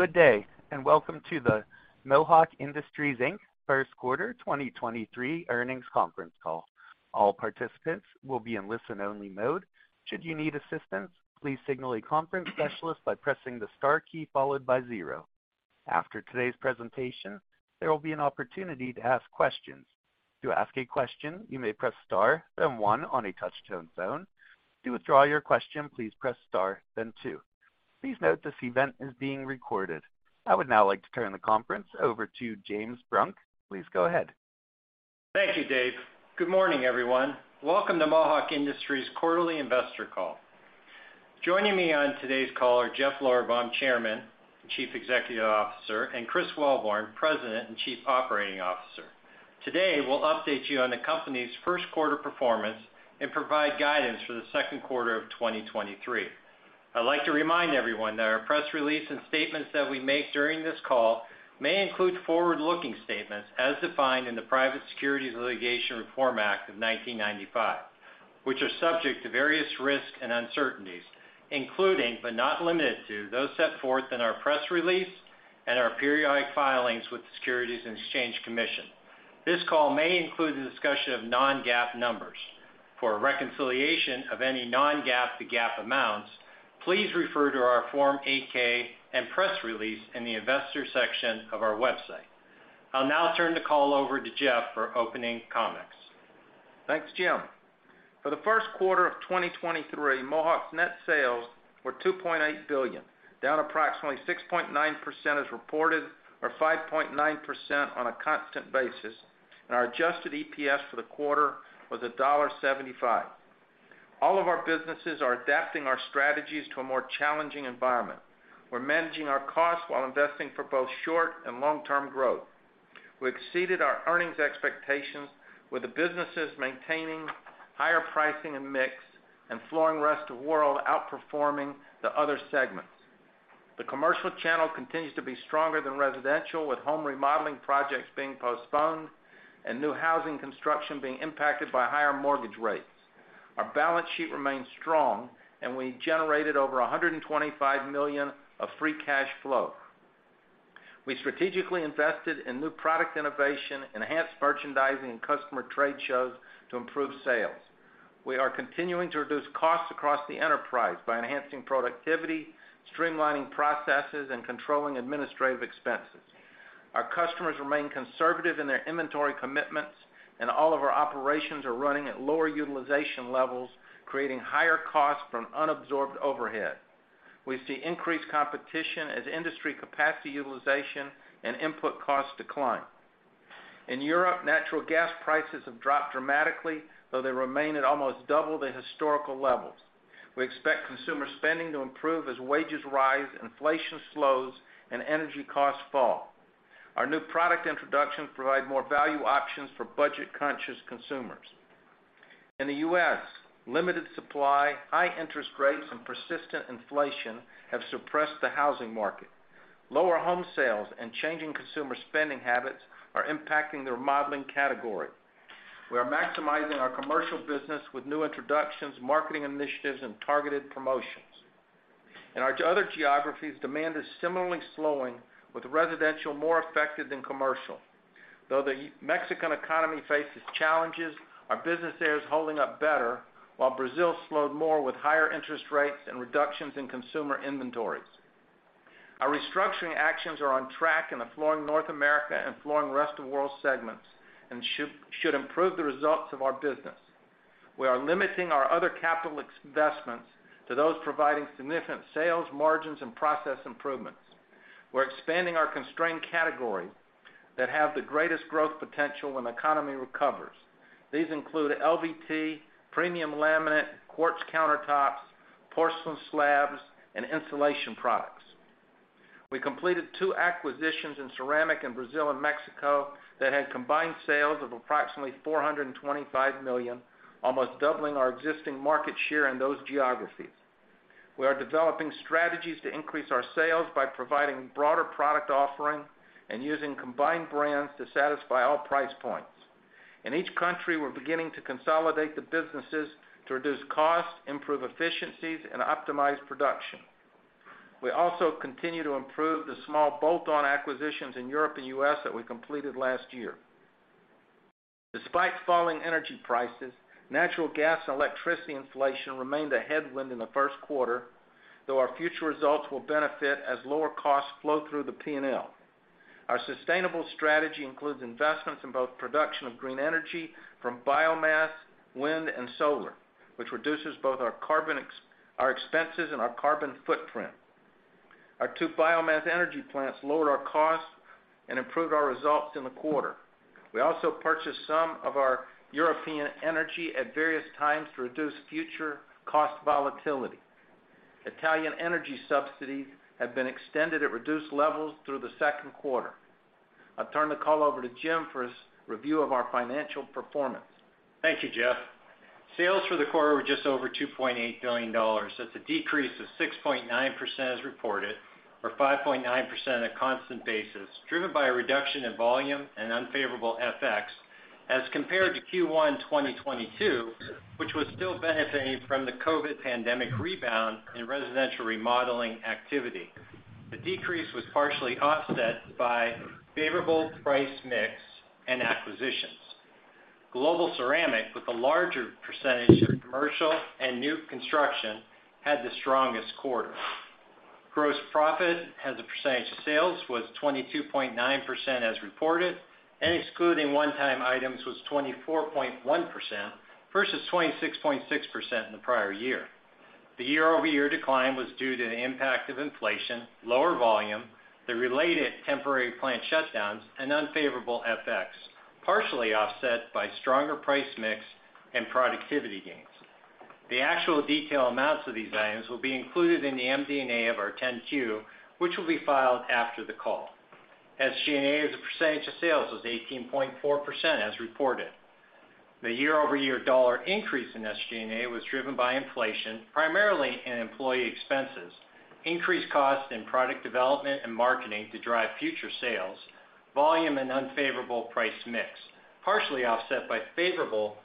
Good day, welcome to the Mohawk Industries Inc. First Quarter 2023 Earnings Conference Call. All participants will be in listen-only mode. Should you need assistance, please signal a conference specialist by pressing the star key followed by zero. After today's presentation, there will be an opportunity to ask questions. To ask a question, you may press star, then one on a touch-tone phone. To withdraw your question, please press star, then two. Please note this event is being recorded. I would now like to turn the conference over to James Brunk. Please go ahead. Thank you, Dave. Good morning, everyone. Welcome to Mohawk Industries Quarterly Investor Call. Joining me on today's call are Jeff Lorberbaum, Chairman and Chief Executive Officer, and Chris Wellborn, President and Chief Operating Officer. Today, we'll update you on the company's first quarter performance and provide guidance for the second quarter of 2023. I'd like to remind everyone that our press release and statements that we make during this call may include forward-looking statements as defined in the Private Securities Litigation Reform Act of 1995, which are subject to various risks and uncertainties, including, but not limited to those set forth in our press release and our periodic filings with the Securities and Exchange Commission. This call may include the discussion of non-GAAP numbers. For a reconciliation of any non-GAAP to GAAP amounts, please refer to our Form 8-K and press release in the investor section of our website. I'll now turn the call over to Jeff for opening comments. Thanks, Jim. For the first quarter of 2023, Mohawk's net sales were $2.8 billion, down approximately 6.9% as reported, or 5.9% on a constant basis, and our Adjusted EPS for the quarter was $1.75. All of our businesses are adapting our strategies to a more challenging environment. We're managing our costs while investing for both short- and long-term growth. We exceeded our earnings expectations, with the businesses maintaining higher pricing and mix, and Flooring Rest of the World outperforming the other segments. The commercial channel continues to be stronger than residential, with home remodeling projects being postponed and new housing construction being impacted by higher mortgage rates. Our balance sheet remains strong, and we generated over $125 million of free cash flow. We strategically invested in new product innovation, enhanced merchandising, and customer trade shows to improve sales. We are continuing to reduce costs across the enterprise by enhancing productivity, streamlining processes, and controlling administrative expenses. Our customers remain conservative in their inventory commitments, and all of our operations are running at lower utilization levels, creating higher costs from unabsorbed overhead. We see increased competition as industry capacity utilization and input costs decline. In Europe, natural gas prices have dropped dramatically, though they remain at almost double the historical levels. We expect consumer spending to improve as wages rise, inflation slows, and energy costs fall. Our new product introductions provide more value options for budget-conscious consumers. In the U.S., limited supply, high interest rates, and persistent inflation have suppressed the housing market. Lower home sales and changing consumer spending habits are impacting the remodeling category. We are maximizing our commercial business with new introductions, marketing initiatives, and targeted promotions. In our other geographies, demand is similarly slowing, with residential more affected than commercial. Though the Mexican economy faces challenges, our business there is holding up better, while Brazil slowed more with higher interest rates and reductions in consumer inventories. Our restructuring actions are on track in the Flooring North America and Flooring Rest of the World segments and should improve the results of our business. We are limiting our other capital investments to those providing significant sales, margins, and process improvements. We're expanding our constrained category that have the greatest growth potential when the economy recovers. These include LVT, premium laminate, quartz countertops, porcelain slabs, and insulation products. We completed two acquisitions in ceramic in Brazil and Mexico that had combined sales of approximately $425 million, almost doubling our existing market share in those geographies. We are developing strategies to increase our sales by providing broader product offering and using combined brands to satisfy all price points. In each country, we're beginning to consolidate the businesses to reduce costs, improve efficiencies, and optimize production. We also continue to improve the small bolt-on acquisitions in Europe and U.S. that we completed last year. Despite falling energy prices, natural gas and electricity inflation remained a headwind in the first quarter, though our future results will benefit as lower costs flow through the P&L. Our sustainable strategy includes investments in both production of green energy from biomass, wind, and solar, which reduces both our expenses and our carbon footprint. Our two biomass energy plants lowered our costs and improved our results in the quarter. We also purchased some of our European energy at various times to reduce future cost volatility. Italian energy subsidies have been extended at reduced levels through the second quarter. I'll turn the call over to Jim for a review of our financial performance. Thank you, Jeff. Sales for the quarter were just over $2.8 billion. That's a decrease of 6.9% as reported, or 5.9% on a constant basis, driven by a reduction in volume and unfavorable FX as compared to Q1 2022, which was still benefiting from the COVID pandemic rebound in residential remodeling activity. The decrease was partially offset by favorable price mix and acquisitions. Global Ceramic, with a larger percentage of commercial and new construction, had the strongest quarter. Gross profit as a percentage of sales was 22.9% as reported, and excluding one-time items, was 24.1% versus 26.6% in the prior year. The year-over-year decline was due to the impact of inflation, lower volume, the related temporary plant shutdowns, and unfavorable FX, partially offset by stronger price mix and productivity gains. The actual detailed amounts of these items will be included in the MD&A of our 10-Q, which will be filed after the call. SG&A as a percentage of sales was 18.4% as reported. The year-over-year dollar increase in SG&A was driven by inflation, primarily in employee expenses, increased costs in product development and marketing to drive future sales, volume and unfavorable price mix, partially offset by favorable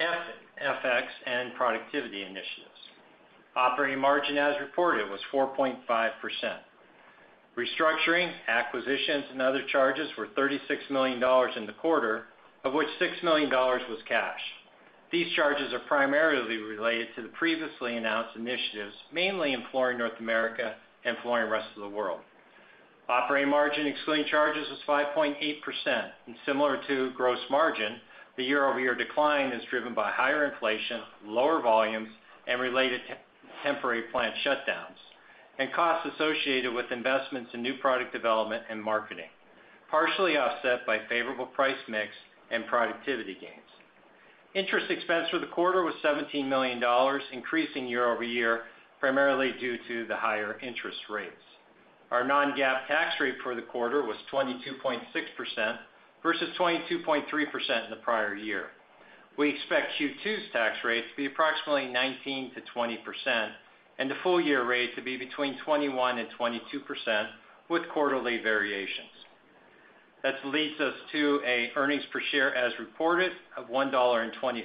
FX and productivity initiatives. Operating margin as reported was 4.5%. Restructuring, acquisitions, and other charges were $36 million in the quarter, of which $6 million was cash. These charges are primarily related to the previously announced initiatives, mainly in Flooring North America and Flooring Rest of the World. Operating margin excluding charges was 5.8%, and similar to gross margin, the year-over-year decline is driven by higher inflation, lower volumes, and related temporary plant shutdowns, and costs associated with investments in new product development and marketing, partially offset by favorable price mix and productivity gains. Interest expense for the quarter was $17 million, increasing year-over-year, primarily due to the higher interest rates. Our non-GAAP tax rate for the quarter was 22.6% versus 22.3% in the prior year. We expect Q2's tax rate to be approximately 19%-20% and the full year rate to be between 21%-22% with quarterly variations. That leads us to a earnings per share as reported of $1.26,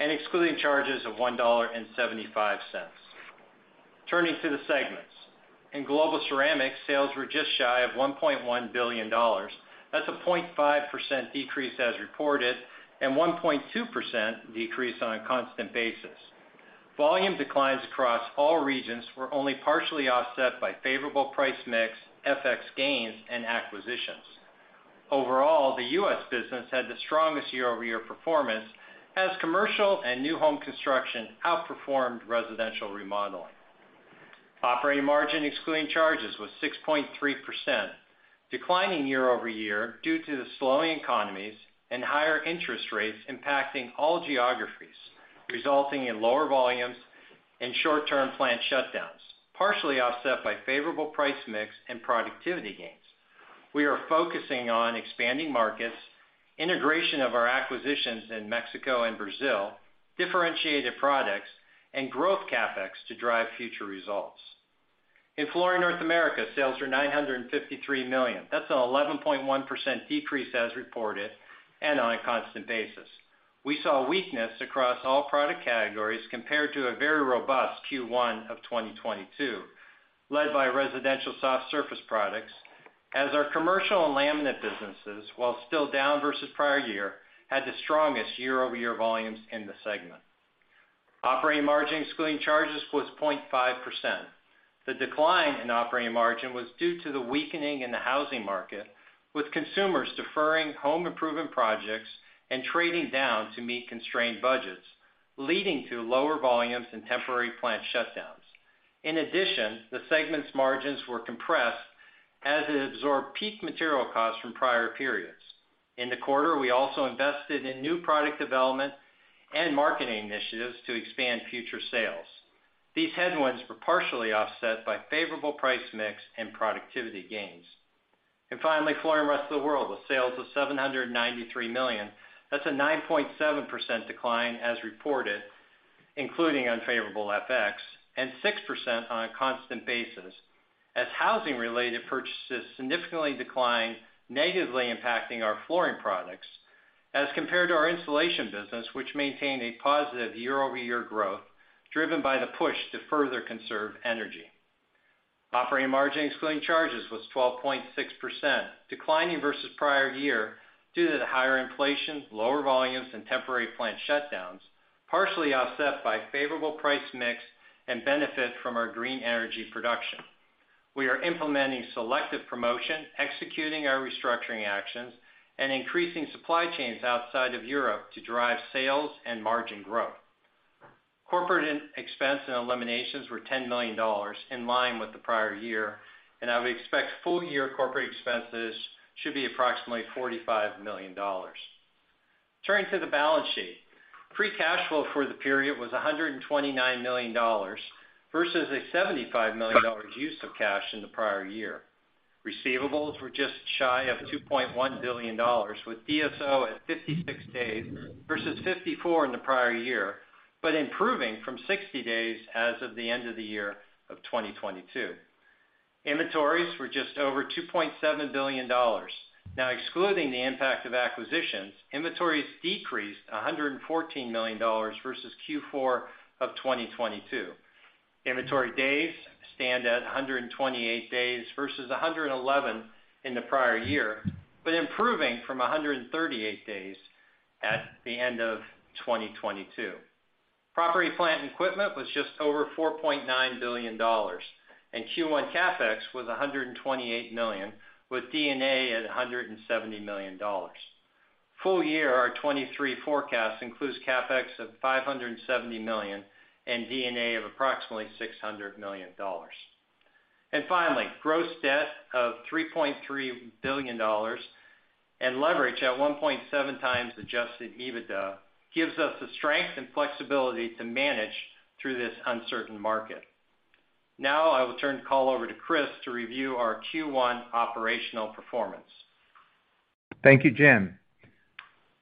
and excluding charges of $1.75. Turning to the segments. In Global Ceramic, sales were just shy of $1.1 billion. That's a 0.5% decrease as reported, and 1.2% decrease on a constant basis. Volume declines across all regions were only partially offset by favorable price mix, FX gains, and acquisitions. Overall, the U.S. business had the strongest year-over-year performance as commercial and new home construction outperformed residential remodeling. Operating margin excluding charges was 6.3%, declining year-over-year due to the slowing economies and higher interest rates impacting all geographies, resulting in lower volumes and short-term plant shutdowns, partially offset by favorable price mix and productivity gains. We are focusing on expanding markets, integration of our acquisitions in Mexico and Brazil, differentiated products, and growth CapEx to drive future results. In Flooring North America, sales were $953 million. That's an 11.1% decrease as reported and on a constant basis. We saw weakness across all product categories compared to a very robust Q1 of 2022, led by residential soft surface products, as our commercial and laminate businesses, while still down versus prior year, had the strongest year-over-year volumes in the segment. Operating margin excluding charges was 0.5%. The decline in operating margin was due to the weakening in the housing market, with consumers deferring home improvement projects and trading down to meet constrained budgets, leading to lower volumes and temporary plant shutdowns. In addition, the segment's margins were compressed as it absorbed peak material costs from prior periods. In the quarter, we also invested in new product development and marketing initiatives to expand future sales. These headwinds were partially offset by favorable price mix and productivity gains. Finally, Flooring Rest of the World, with sales of $793 million. That's a 9.7% decline as reported, including unfavorable FX, and 6% on a constant basis, as housing-related purchases significantly declined, negatively impacting our flooring products as compared to our insulation business, which maintained a positive year-over-year growth driven by the push to further conserve energy. Operating margin excluding charges was 12.6%, declining versus prior year due to the higher inflation, lower volumes, and temporary plant shutdowns, partially offset by favorable price mix and benefit from our green energy production. We are implementing selective promotion, executing our restructuring actions, and increasing supply chains outside of Europe to drive sales and margin growth. Corporate ex-expense and eliminations were $10 million in line with the prior year, and I would expect full-year corporate expenses should be approximately $45 million. Turning to the balance sheet. Free cash flow for the period was $129 million versus a $75 million use of cash in the prior year. Receivables were just shy of $2.1 billion, with DSO at 56 days versus 54 in the prior year, improving from 60 days as of the end of the year 2022. Inventories were just over $2.7 billion. Excluding the impact of acquisitions, inventories decreased $114 million versus Q4 of 2022. Inventory days stand at 128 days versus 111 in the prior year, improving from 138 days at the end of 2022. Property, plant, and equipment was just over $4.9 billion. Q1 CapEx was $128 million, with D&A at $170 million. Full year, our 2023 forecast includes CapEx of $570 million and D&A of approximately $600 million. Finally, gross debt of $3.3 billion and leverage at 1.7x Adjusted EBITDA gives us the strength and flexibility to manage through this uncertain market. Now I will turn the call over to Chris to review our Q1 operational performance. Thank you, Jim.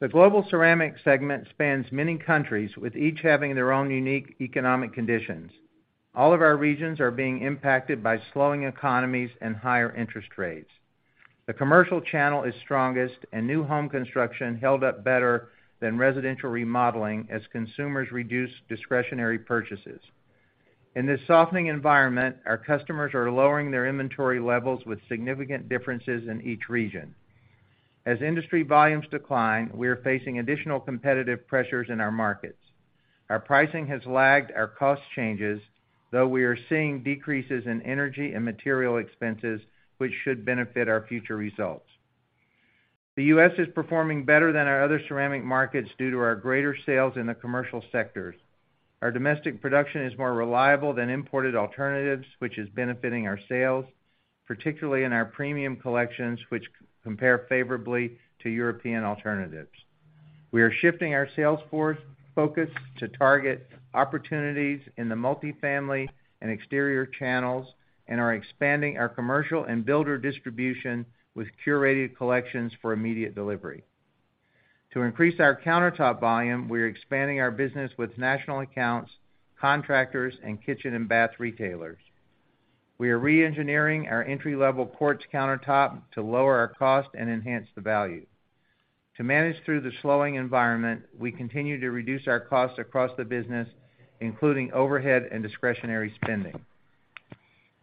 The Global Ceramic segment spans many countries, with each having their own unique economic conditions. All of our regions are being impacted by slowing economies and higher interest rates. The commercial channel is strongest, and new home construction held up better than residential remodeling as consumers reduce discretionary purchases. In this softening environment, our customers are lowering their inventory levels with significant differences in each region. As industry volumes decline, we are facing additional competitive pressures in our markets. Our pricing has lagged our cost changes, though we are seeing decreases in energy and material expenses, which should benefit our future results. The U.S. is performing better than our other ceramic markets due to our greater sales in the commercial sectors. Our domestic production is more reliable than imported alternatives, which is benefiting our sales, particularly in our premium collections, which compare favorably to European alternatives. We are shifting our sales force focus to target opportunities in the multifamily and exterior channels and are expanding our commercial and builder distribution with curated collections for immediate delivery. To increase our countertop volume, we are expanding our business with national accounts, contractors, and kitchen and bath retailers. We are re-engineering our entry-level quartz countertop to lower our cost and enhance the value. To manage through the slowing environment, we continue to reduce our costs across the business, including overhead and discretionary spending.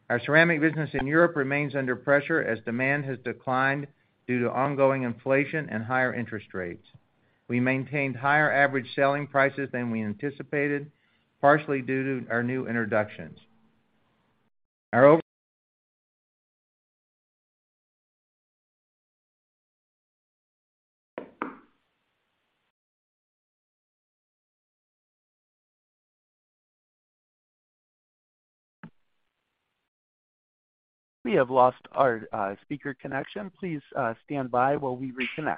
Our ceramic business in Europe remains under pressure as demand has declined due to ongoing inflation and higher interest rates. We maintained higher average selling prices than we anticipated, partially due to our new introductions. We have lost our speaker connection. Please stand by while we reconnect.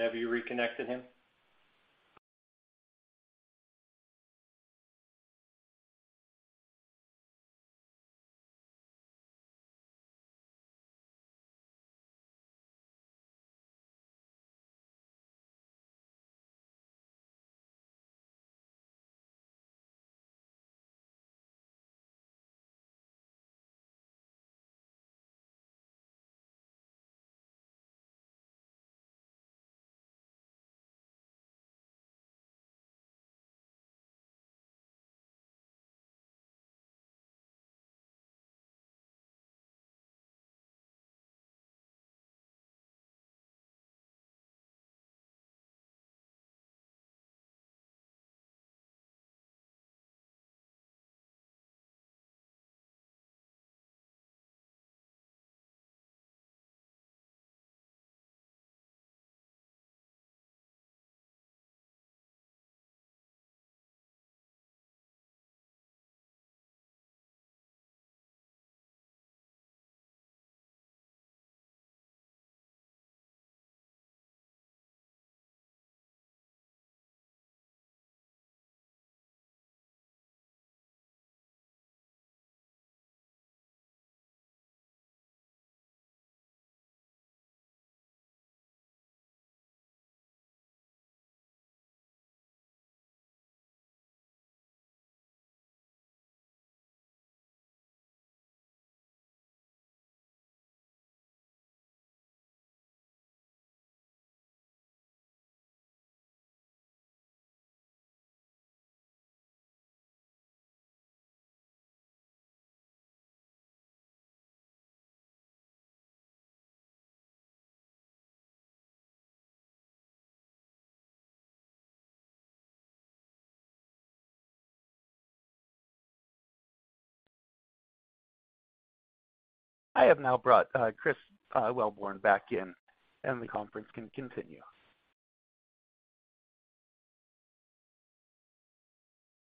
David, have you reconnected him?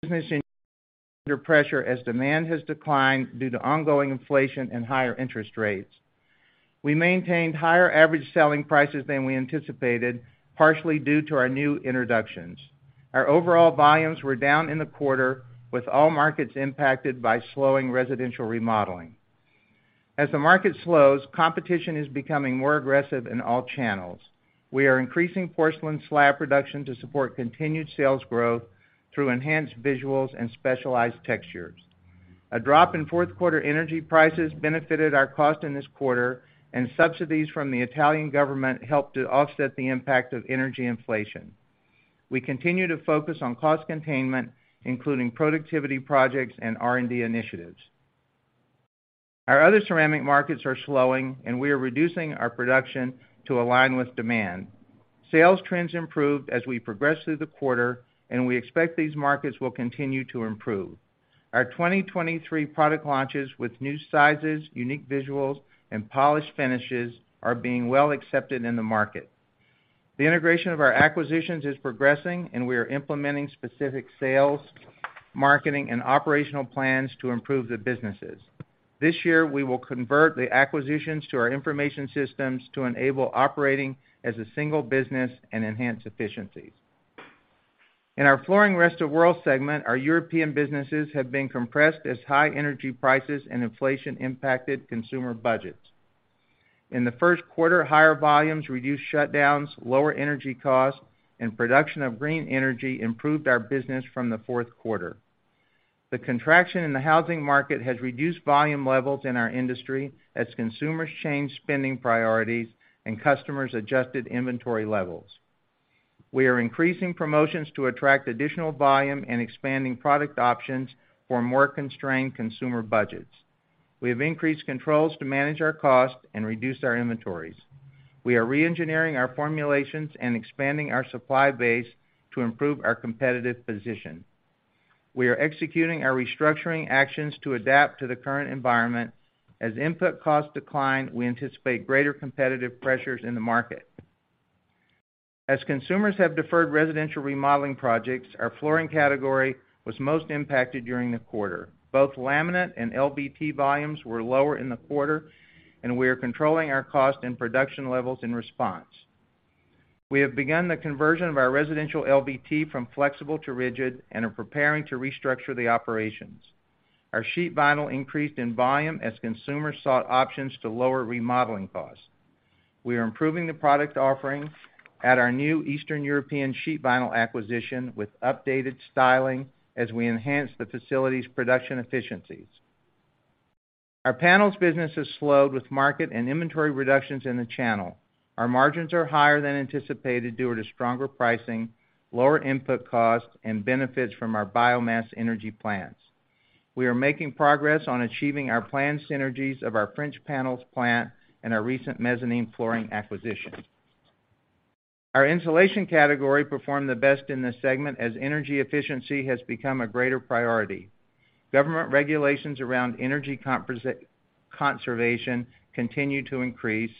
Business under pressure as demand has declined due to ongoing inflation and higher interest rates. We maintained higher average selling prices than we anticipated, partially due to our new introductions. Our overall volumes were down in the quarter, with all markets impacted by slowing residential remodeling. As the market slows, competition is becoming more aggressive in all channels. We are increasing porcelain slab production to support continued sales growth through enhanced visuals and specialized textures. A drop in fourth quarter energy prices benefited our cost in this quarter, and subsidies from the Italian government helped to offset the impact of energy inflation. We continue to focus on cost containment, including productivity projects and R&D initiatives. Our other ceramic markets are slowing, and we are reducing our production to align with demand. Sales trends improved as we progressed through the quarter, and we expect these markets will continue to improve. Our 2023 product launches with new sizes, unique visuals, and polished finishes are being well accepted in the market. The integration of our acquisitions is progressing, and we are implementing specific sales, marketing, and operational plans to improve the businesses. This year, we will convert the acquisitions to our information systems to enable operating as a single business and enhance efficiencies. In our Flooring Rest of World segment, our European businesses have been compressed as high energy prices and inflation impacted consumer budgets. In the first quarter, higher volumes reduced shutdowns, lower energy costs, and production of green energy improved our business from the fourth quarter. The contraction in the housing market has reduced volume levels in our industry as consumers change spending priorities and customers adjusted inventory levels. We are increasing promotions to attract additional volume and expanding product options for more constrained consumer budgets. We have increased controls to manage our cost and reduce our inventories. We are re-engineering our formulations and expanding our supply base to improve our competitive position. We are executing our restructuring actions to adapt to the current environment. As input costs decline, we anticipate greater competitive pressures in the market. As consumers have deferred residential remodeling projects, our flooring category was most impacted during the quarter. Both laminate and LVT volumes were lower in the quarter, and we are controlling our cost and production levels in response. We have begun the conversion of our residential LVT from flexible to rigid and are preparing to restructure the operations. Our sheet vinyl increased in volume as consumers sought options to lower remodeling costs. We are improving the product offerings at our new Eastern European sheet vinyl acquisition with updated styling as we enhance the facility's production efficiencies. Our panels business has slowed with market and inventory reductions in the channel. Our margins are higher than anticipated due to stronger pricing, lower input costs, and benefits from our biomass energy plants. We are making progress on achieving our planned synergies of our French panels plant and our recent mezzanine flooring acquisition. Our insulation category performed the best in this segment as energy efficiency has become a greater priority. Government regulations around energy conservation continue to increase,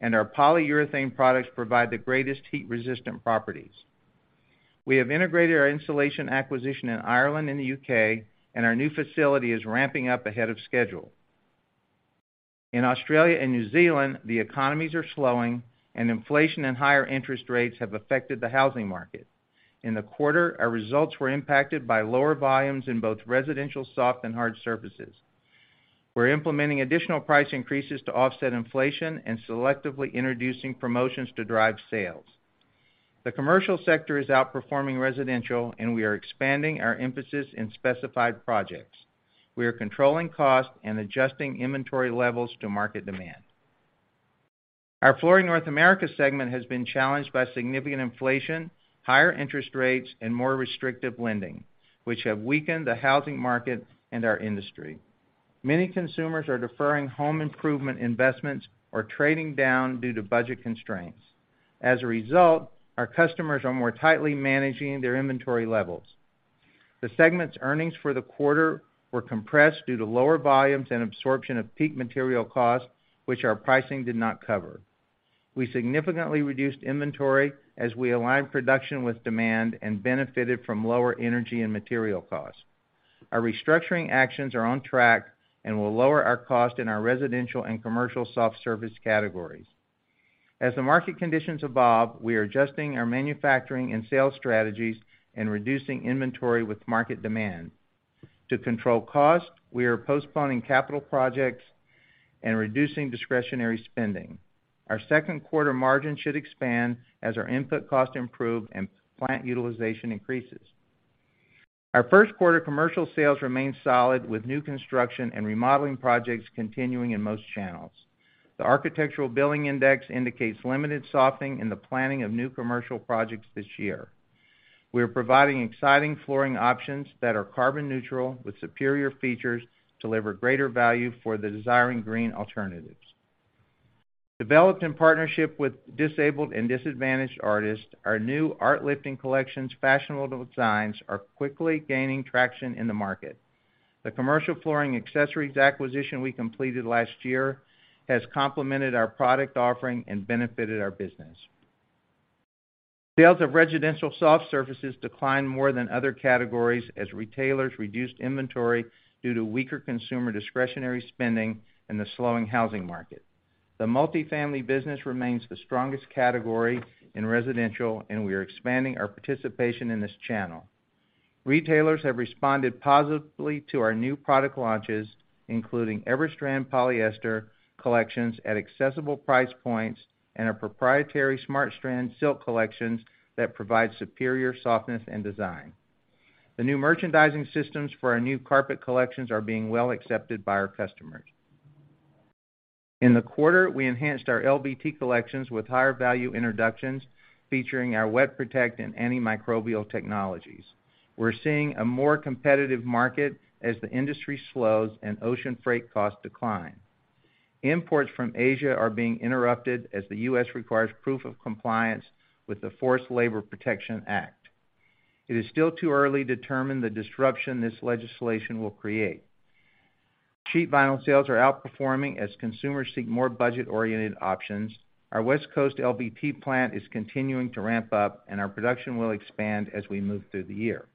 and our polyurethane products provide the greatest heat-resistant properties. We have integrated our insulation acquisition in Ireland and the U.K., and our new facility is ramping up ahead of schedule. In Australia and New Zealand, the economies are slowing, and inflation and higher interest rates have affected the housing market. In the quarter, our results were impacted by lower volumes in both residential soft and hard surfaces. We're implementing additional price increases to offset inflation and selectively introducing promotions to drive sales. The commercial sector is outperforming residential. We are expanding our emphasis in specified projects. We are controlling costs and adjusting inventory levels to market demand. Our Flooring North America segment has been challenged by significant inflation, higher interest rates, and more restrictive lending, which have weakened the housing market and our industry. Many consumers are deferring home improvement investments or trading down due to budget constraints. Our customers are more tightly managing their inventory levels. The segment's earnings for the quarter were compressed due to lower volumes and absorption of peak material costs, which our pricing did not cover. We significantly reduced inventory as we aligned production with demand and benefited from lower energy and material costs. Our restructuring actions are on track and will lower our cost in our residential and commercial soft service categories. As the market conditions evolve, we are adjusting our manufacturing and sales strategies and reducing inventory with market demand. To control costs, we are postponing capital projects and reducing discretionary spending. Our second quarter margin should expand as our input costs improve and plant utilization increases. Our first quarter commercial sales remained solid, with new construction and remodeling projects continuing in most channels. The Architecture Billings Index indicates limited softening in the planning of new commercial projects this year. We are providing exciting flooring options that are carbon neutral with superior features to deliver greater value for the desiring green alternatives. Developed in partnership with disabled and disadvantaged artists, our new ArtLifting Collection's fashionable designs are quickly gaining traction in the market. The commercial flooring accessories acquisition we completed last year has complemented our product offering and benefited our business. Sales of residential soft surfaces declined more than other categories as retailers reduced inventory due to weaker consumer discretionary spending and the slowing housing market. The multifamily business remains the strongest category in residential, and we are expanding our participation in this channel. Retailers have responded positively to our new product launches, including EverStrand polyester collections at accessible price points and our proprietary SmartStrand Silk collections that provide superior softness and design. The new merchandising systems for our new carpet collections are being well accepted by our customers. In the quarter, we enhanced our LVT collections with higher value introductions featuring our WetProtect and antimicrobial technologies. We're seeing a more competitive market as the industry slows and ocean freight costs decline. Imports from Asia are being interrupted as the U.S. requires proof of compliance with the Forced Labor Protection Act. It is still too early to determine the disruption this legislation will create. Sheet vinyl sales are outperforming as consumers seek more budget-oriented options. Our West Coast LVT plant is continuing to ramp up, and our production will expand as we move through the year.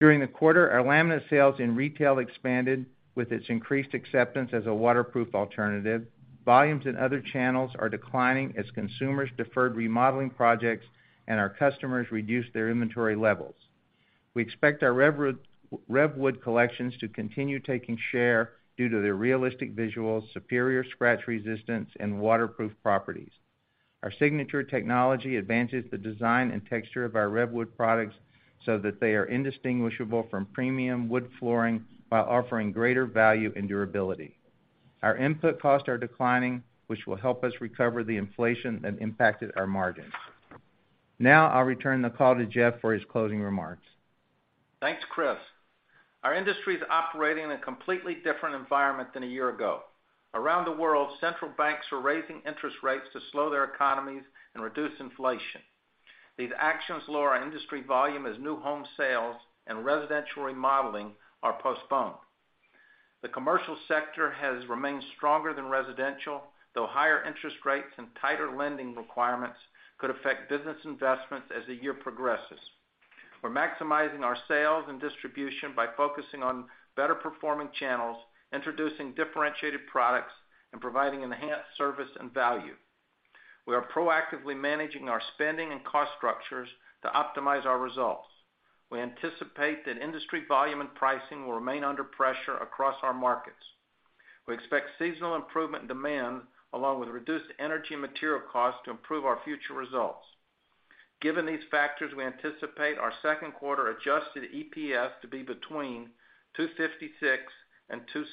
During the quarter, our laminate sales in retail expanded with its increased acceptance as a waterproof alternative. Volumes in other channels are declining as consumers deferred remodeling projects and our customers reduced their inventory levels. We expect our RevWood collections to continue taking share due to their realistic visuals, superior scratch resistance, and waterproof properties. Our signature technology advances the design and texture of our RevWood products so that they are indistinguishable from premium wood flooring while offering greater value and durability. Our input costs are declining, which will help us recover the inflation that impacted our margins. Now I'll return the call to Jeff for his closing remarks. Thanks, Chris. Our industry is operating in a completely different environment than a year ago. Around the world, central banks are raising interest rates to slow their economies and reduce inflation. These actions lower our industry volume as new home sales and residential remodeling are postponed. The commercial sector has remained stronger than residential, though higher interest rates and tighter lending requirements could affect business investments as the year progresses. We're maximizing our sales and distribution by focusing on better-performing channels, introducing differentiated products, and providing enhanced service and value. We are proactively managing our spending and cost structures to optimize our results. We anticipate that industry volume and pricing will remain under pressure across our markets. We expect seasonal improvement in demand along with reduced energy material costs to improve our future results. Given these factors, we anticipate our second quarter Adjusted EPS to be between $2.56 and $2.66,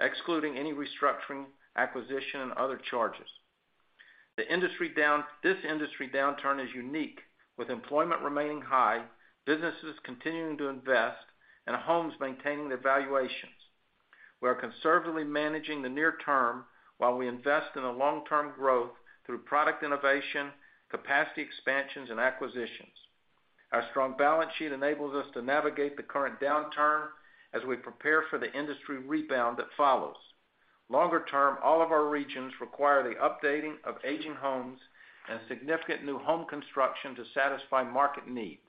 excluding any restructuring, acquisition, and other charges. This industry downturn is unique with employment remaining high, businesses continuing to invest, and homes maintaining their valuations. We are conservatively managing the near term while we invest in a long-term growth through product innovation, capacity expansions, and acquisitions. Our strong balance sheet enables us to navigate the current downturn as we prepare for the industry rebound that follows. Longer term, all of our regions require the updating of aging homes and significant new home construction to satisfy market needs.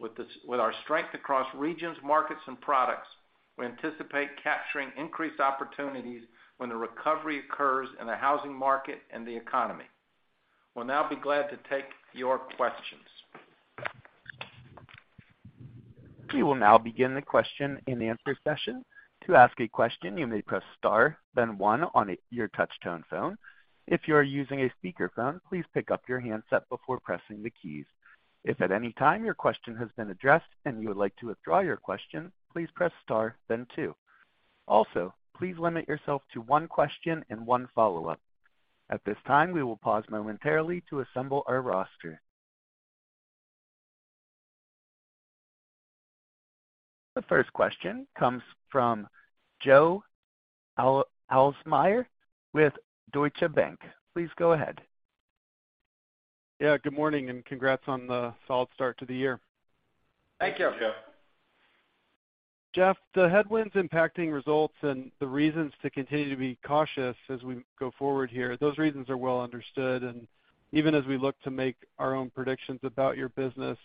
With our strength across regions, markets, and products, we anticipate capturing increased opportunities when the recovery occurs in the housing market and the economy. We'll now be glad to take your questions. We will now begin the question-and-answer session. To ask a question, you may press star, then one on your touch-tone phone. If you are using a speakerphone, please pick up your handset before pressing the keys. If at any time your question has been addressed and you would like to withdraw your question, please press star then two. Please limit yourself to one question and one follow-up. At this time, we will pause momentarily to assemble our roster. The first question comes from Joe Ahlersmeyer with Deutsche Bank. Please go ahead. Yeah, good morning, and congrats on the solid start to the year. Thank you, Joe. Jeff, the headwinds impacting results and the reasons to continue to be cautious as we go forward here, those reasons are well understood. Even as we look to make our own predictions about your business,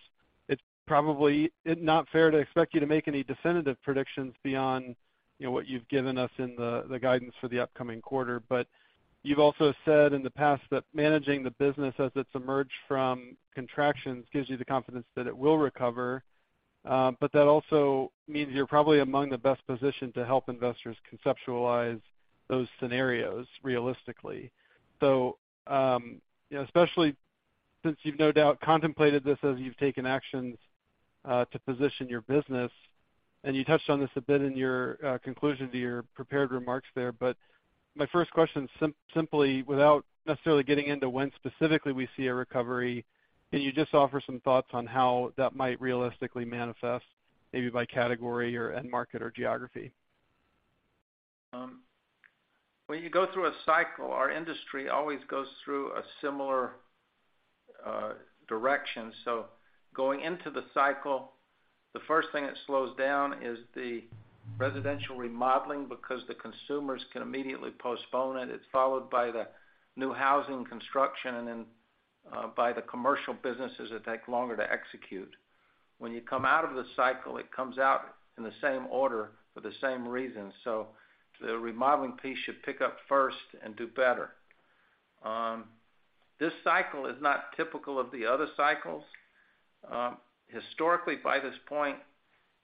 it's probably not fair to expect you to make any definitive predictions beyond, you know, what you've given us in the guidance for the upcoming quarter. You've also said in the past that managing the business as it's emerged from contractions gives you the confidence that it will recover. That also means you're probably among the best positioned to help investors conceptualize those scenarios realistically. You know, especially since you've no doubt contemplated this as you've taken actions to position your business, and you touched on this a bit in your conclusion to your prepared remarks there. My first question simply, without necessarily getting into when specifically we see a recovery, can you just offer some thoughts on how that might realistically manifest, maybe by category or end market or geography? When you go through a cycle, our industry always goes through a similar direction. Going into the cycle, the first thing that slows down is the residential remodeling because the consumers can immediately postpone it. It's followed by the new housing construction and then by the commercial businesses that take longer to execute. When you come out of the cycle, it comes out in the same order for the same reason. The remodeling piece should pick up first and do better. This cycle is not typical of the other cycles. Historically by this point,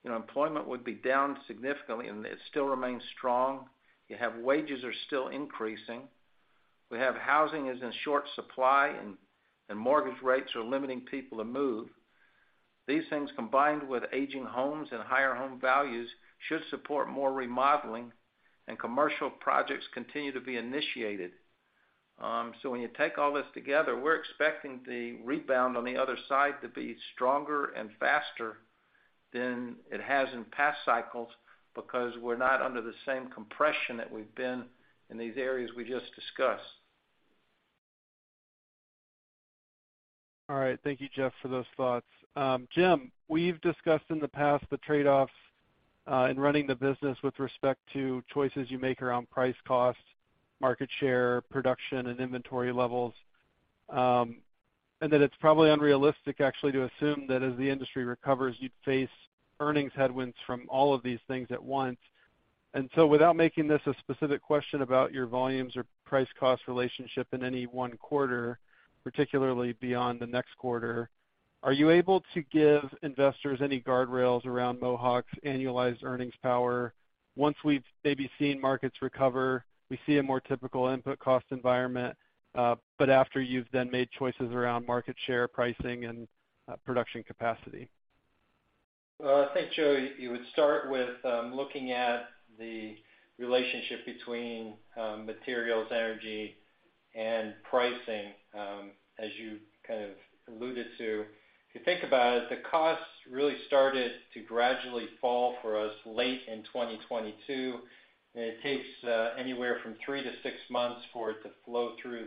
you know, employment would be down significantly, and it still remains strong. You have wages are still increasing. We have housing is in short supply, and mortgage rates are limiting people to move. These things, combined with aging homes and higher home values, should support more remodeling, and commercial projects continue to be initiated. When you take all this together, we're expecting the rebound on the other side to be stronger and faster than it has in past cycles because we're not under the same compression that we've been in these areas we just discussed. All right. Thank you, Jeff, for those thoughts. Jim, we've discussed in the past the trade-offs in running the business with respect to choices you make around price costs, market share, production and inventory levels, and that it's probably unrealistic actually to assume that as the industry recovers, you'd face earnings headwinds from all of these things at once. Without making this a specific question about your volumes or price cost relationship in any one quarter, particularly beyond the next quarter, are you able to give investors any guardrails around Mohawk's annualized earnings power once we've maybe seen markets recover, we see a more typical input cost environment, but after you've then made choices around market share, pricing and production capacity? Well, I think, Joe, you would start with looking at the relationship between materials, energy and pricing, as you kind of alluded to. If you think about it, the costs really started to gradually fall for us late in 2022, and it takes anywhere from three to six months for it to flow through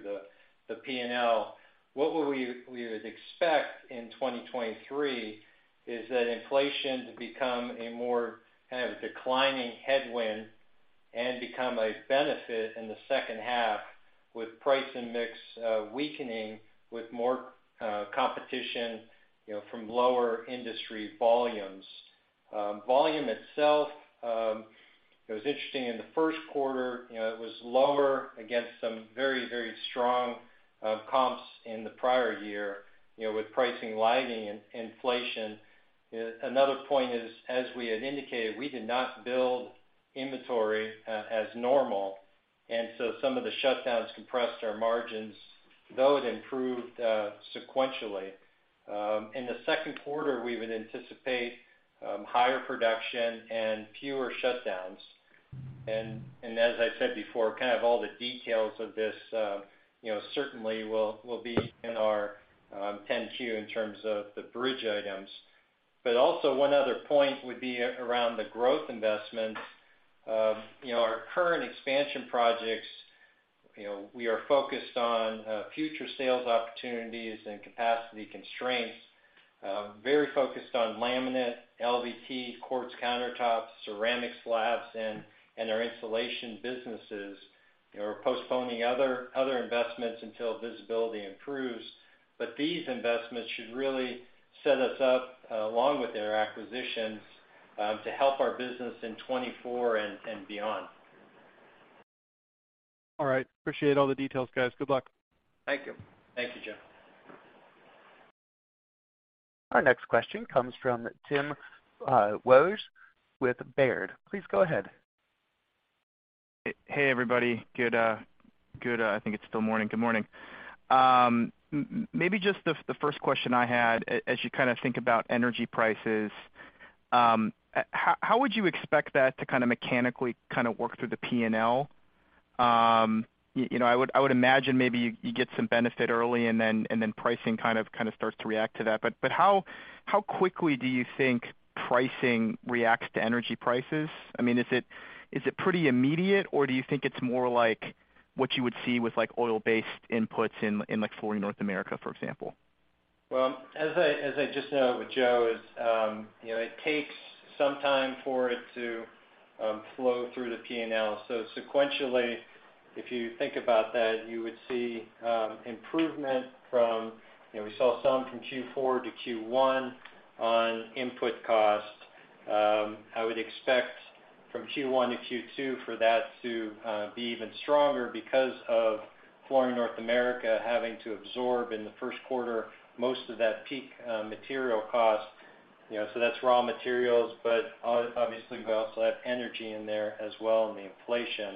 the P&L. What we would expect in 2023 is that inflation to become a more kind of declining headwind and become a benefit in the second half with price and mix weakening with more competition, you know, from lower industry volumes. Volume itself, it was interesting in the first quarter, you know, it was lower against some very, very strong comps in the prior year, you know, with pricing lighting and inflation. Another point is, as we had indicated, we did not build inventory as normal, some of the shutdowns compressed our margins, though it improved sequentially. In the second quarter, we would anticipate higher production and fewer shutdowns. As I said before, kind of all the details of this, you know, certainly will be in our 10-Q in terms of the bridge items. Also one other point would be around the growth investments. You know, our current expansion projects, you know, we are focused on future sales opportunities and capacity constraints, very focused on laminate, LVT, quartz countertops, ceramic slabs and our insulation businesses. We are postponing other investments until visibility improves. These investments should really set us up, along with their acquisitions, to help our business in 2024 and beyond. All right. Appreciate all the details, guys. Good luck. Thank you. Thank you, Joe. Our next question comes from Tim Wojs with Baird. Please go ahead. Hey, everybody. Good, good, I think it's still morning. Good morning. Maybe just the first question I had, as you kind of think about energy prices, how would you expect that to kind of mechanically work through the P&L? You know, I would imagine maybe you get some benefit early and then pricing kind of starts to react to that. How quickly do you think pricing reacts to energy prices? I mean, is it pretty immediate, or do you think it's more like what you would see with like oil-based inputs in like Flooring North America, for example? Well, as I just said with Joe is, you know, it takes some time for it to flow through the P&L. Sequentially, if you think about that, you would see improvement from, you know, we saw some from Q4 to Q1 on input cost. I would expect from Q1 to Q2 for that to be even stronger because of Flooring North America having to absorb in the first quarter most of that peak material cost. You know, that's raw materials, but obviously we also have energy in there as well and the inflation.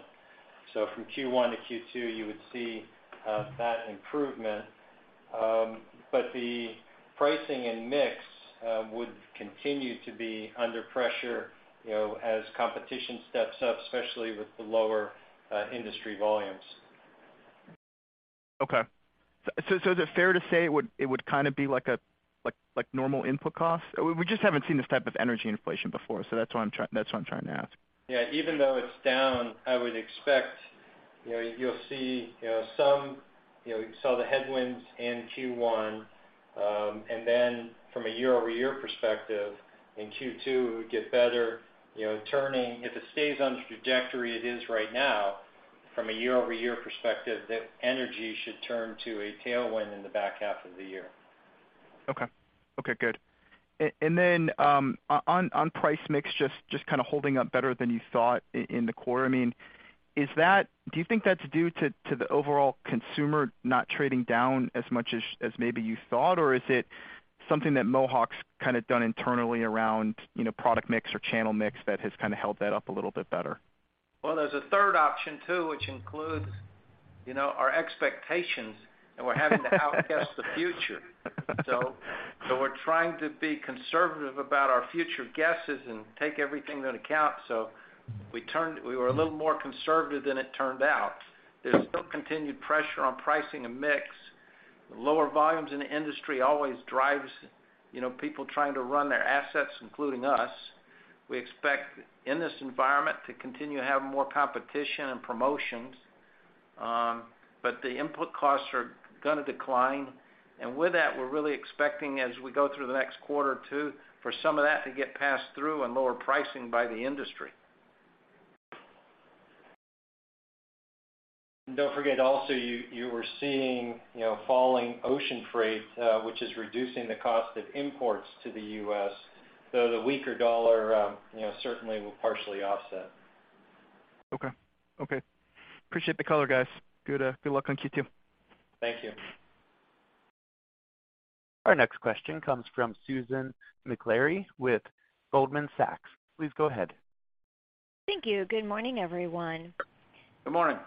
From Q1 to Q2, you would see that improvement. The pricing and mix would continue to be under pressure, you know, as competition steps up, especially with the lower industry volumes. Okay. Is it fair to say it would kind of be like a normal input cost? We just haven't seen this type of energy inflation before, so that's why that's what I'm trying to ask. Yeah. Even though it's down, I would expect. You know, you'll see, you know, some, you know, you saw the headwinds in Q1. Then from a year-over-year perspective, in Q2, it would get better, you know, turning. If it stays on the trajectory it is right now from a year-over-year perspective, the energy should turn to a tailwind in the back half of the year. Okay. Okay, good. Then on price mix, just kind of holding up better than you thought in the quarter. I mean, is that do you think that's due to the overall consumer not trading down as much as maybe you thought? Or is it something that Mohawk's kinda done internally around, you know, product mix or channel mix that has kinda held that up a little bit better? There's a third option too, which includes, you know, our expectations, and we're having to outguess the future. We're trying to be conservative about our future guesses and take everything into account. We were a little more conservative than it turned out. There's still continued pressure on pricing and mix. Lower volumes in the industry always drives, you know, people trying to run their assets, including us. We expect in this environment to continue to have more competition and promotions. The input costs are gonna decline. With that, we're really expecting, as we go through the next quarter too, for some of that to get passed through and lower pricing by the industry. Don't forget also you were seeing, you know, falling ocean freight, which is reducing the cost of imports to the U.S., though the weaker dollar, you know, certainly will partially offset. Okay. Okay. Appreciate the color, guys. Good, good luck on Q2. Thank you. Our next question comes from Susan Maklari with Goldman Sachs. Please go ahead. Thank you. Good morning, everyone. Good morning.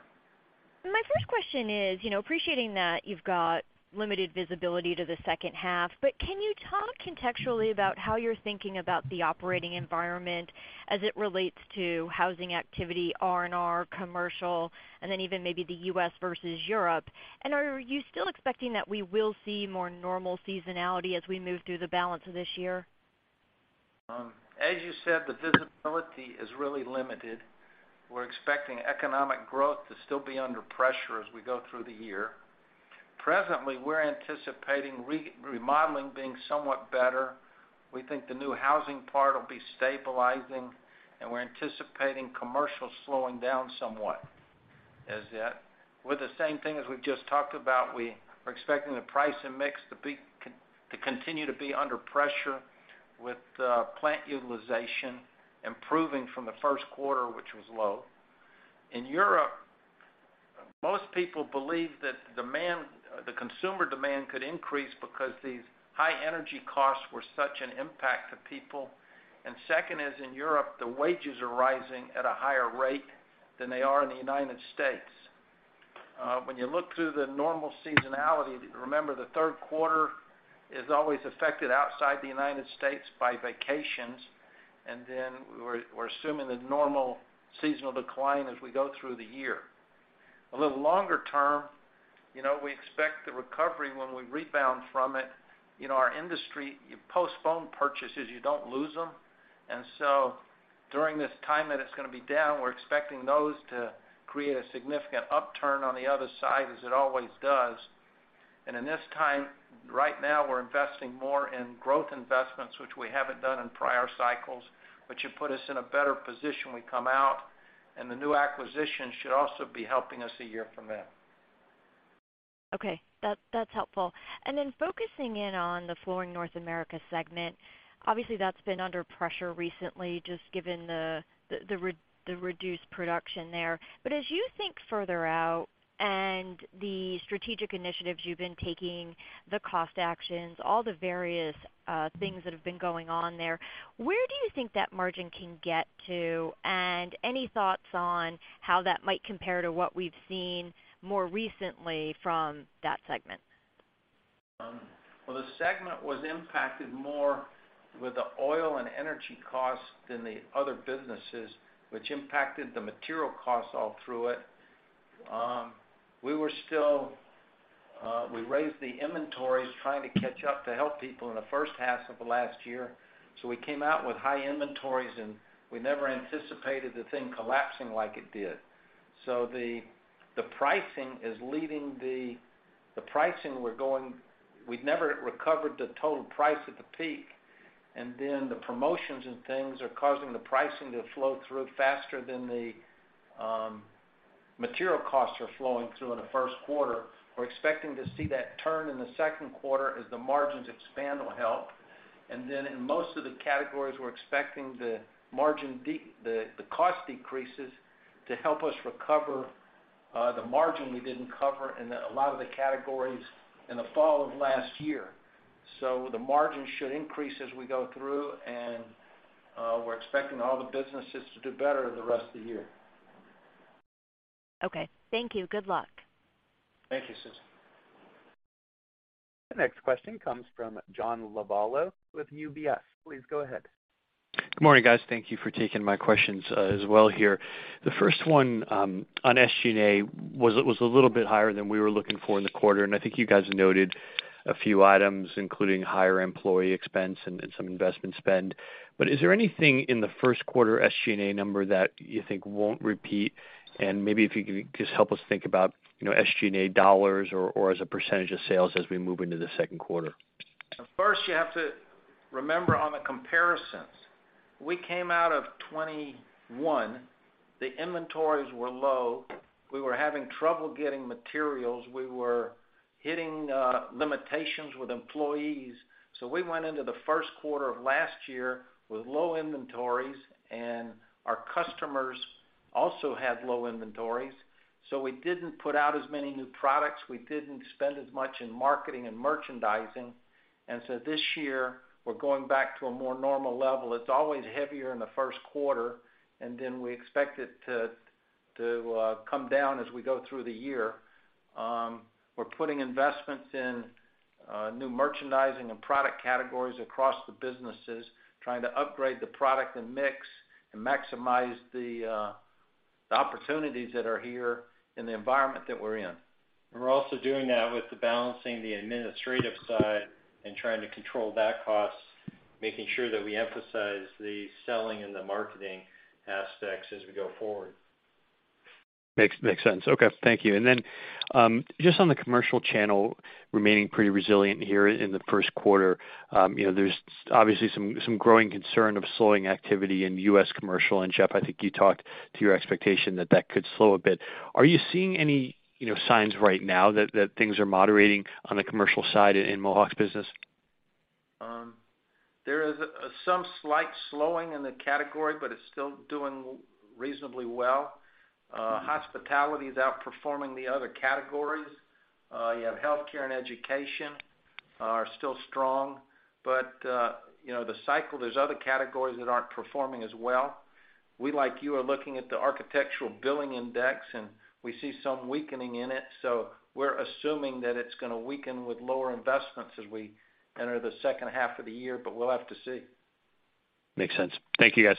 My first question is, you know, appreciating that you've got limited visibility to the second half, but can you talk contextually about how you're thinking about the operating environment as it relates to housing activity, R&R, commercial, and then even maybe the U.S. versus Europe? Are you still expecting that we will see more normal seasonality as we move through the balance of this year? As you said, the visibility is really limited. We're expecting economic growth to still be under pressure as we go through the year. Presently, we're anticipating remodeling being somewhat better. We think the new housing part will be stabilizing, and we're anticipating commercial slowing down somewhat as yet. With the same thing as we've just talked about, we are expecting the price and mix to continue to be under pressure with plant utilization improving from the first quarter, which was low. In Europe, most people believe that demand, the consumer demand could increase because these high energy costs were such an impact to people. Second is, in Europe, the wages are rising at a higher rate than they are in the United States. When you look through the normal seasonality, remember the third quarter is always affected outside the United States by vacations. We're assuming the normal seasonal decline as we go through the year. A little longer term, you know, we expect the recovery when we rebound from it. You know, our industry, you postpone purchases, you don't lose them. During this time that it's gonna be down, we're expecting those to create a significant upturn on the other side, as it always does. In this time, right now we're investing more in growth investments, which we haven't done in prior cycles, which should put us in a better position we come out, and the new acquisition should also be helping us a year from now. Okay. That's helpful. Then focusing in on the Flooring North America segment, obviously that's been under pressure recently, just given the reduced production there. As you think further out and the strategic initiatives you've been taking, the cost actions, all the various things that have been going on there, where do you think that margin can get to? Any thoughts on how that might compare to what we've seen more recently from that segment? Well, the segment was impacted more with the oil and energy costs than the other businesses, which impacted the material costs all through it. We raised the inventories trying to catch up to help people in the first half of the last year, so we came out with high inventories, and we never anticipated the thing collapsing like it did. The pricing is leading the pricing we're going, we'd never recovered the total price at the peak. The promotions and things are causing the pricing to flow through faster than the material costs are flowing through in the first quarter. We're expecting to see that turn in the second quarter as the margins expand will help. In most of the categories, we're expecting the margin the cost decreases to help us recover the margin we didn't cover in a lot of the categories in the fall of last year. The margin should increase as we go through, and we're expecting all the businesses to do better the rest of the year. Okay. Thank you. Good luck. Thank you, Susan. The next question comes from John Lovallo with UBS. Please go ahead. Good morning, guys. Thank you for taking my questions as well here. The first one on SG&A was a little bit higher than we were looking for in the quarter, and I think you guys noted a few items, including higher employee expense and some investment spend. Is there anything in the first quarter SG&A number that you think won't repeat? Maybe if you could just help us think about, you know, SG&A dollars or as a percentage of sales as we move into the second quarter. First, you have to remember on the comparisons, we came out of 2021, the inventories were low. We were having trouble getting materials. We were hitting limitations with employees. We went into the first quarter of last year with low inventories, and our customers also had low inventories. We didn't put out as many new products, we didn't spend as much in marketing and merchandising. This year, we're going back to a more normal level. It's always heavier in the first quarter, and then we expect it to come down as we go through the year. We're putting investments in new merchandising and product categories across the businesses, trying to upgrade the product and mix and maximize the opportunities that are here in the environment that we're in. We're also doing that with the balancing the administrative side and trying to control that cost, making sure that we emphasize the selling and the marketing aspects as we go forward. Makes sense. Okay. Thank you. Just on the commercial channel remaining pretty resilient here in the first quarter, there's obviously some growing concern of slowing activity in U.S. commercial. Jeff, I think you talked to your expectation that could slow a bit. Are you seeing any signs right now that things are moderating on the commercial side in Mohawk's business? There is some slight slowing in the category, but it's still doing reasonably well. Hospitality is outperforming the other categories. You have healthcare and education are still strong, but, you know, the cycle, there's other categories that aren't performing as well. We, like you, are looking at the Architecture Billings Index, and we see some weakening in it. We're assuming that it's gonna weaken with lower investments as we enter the second half of the year, but we'll have to see. Makes sense. Thank you, guys.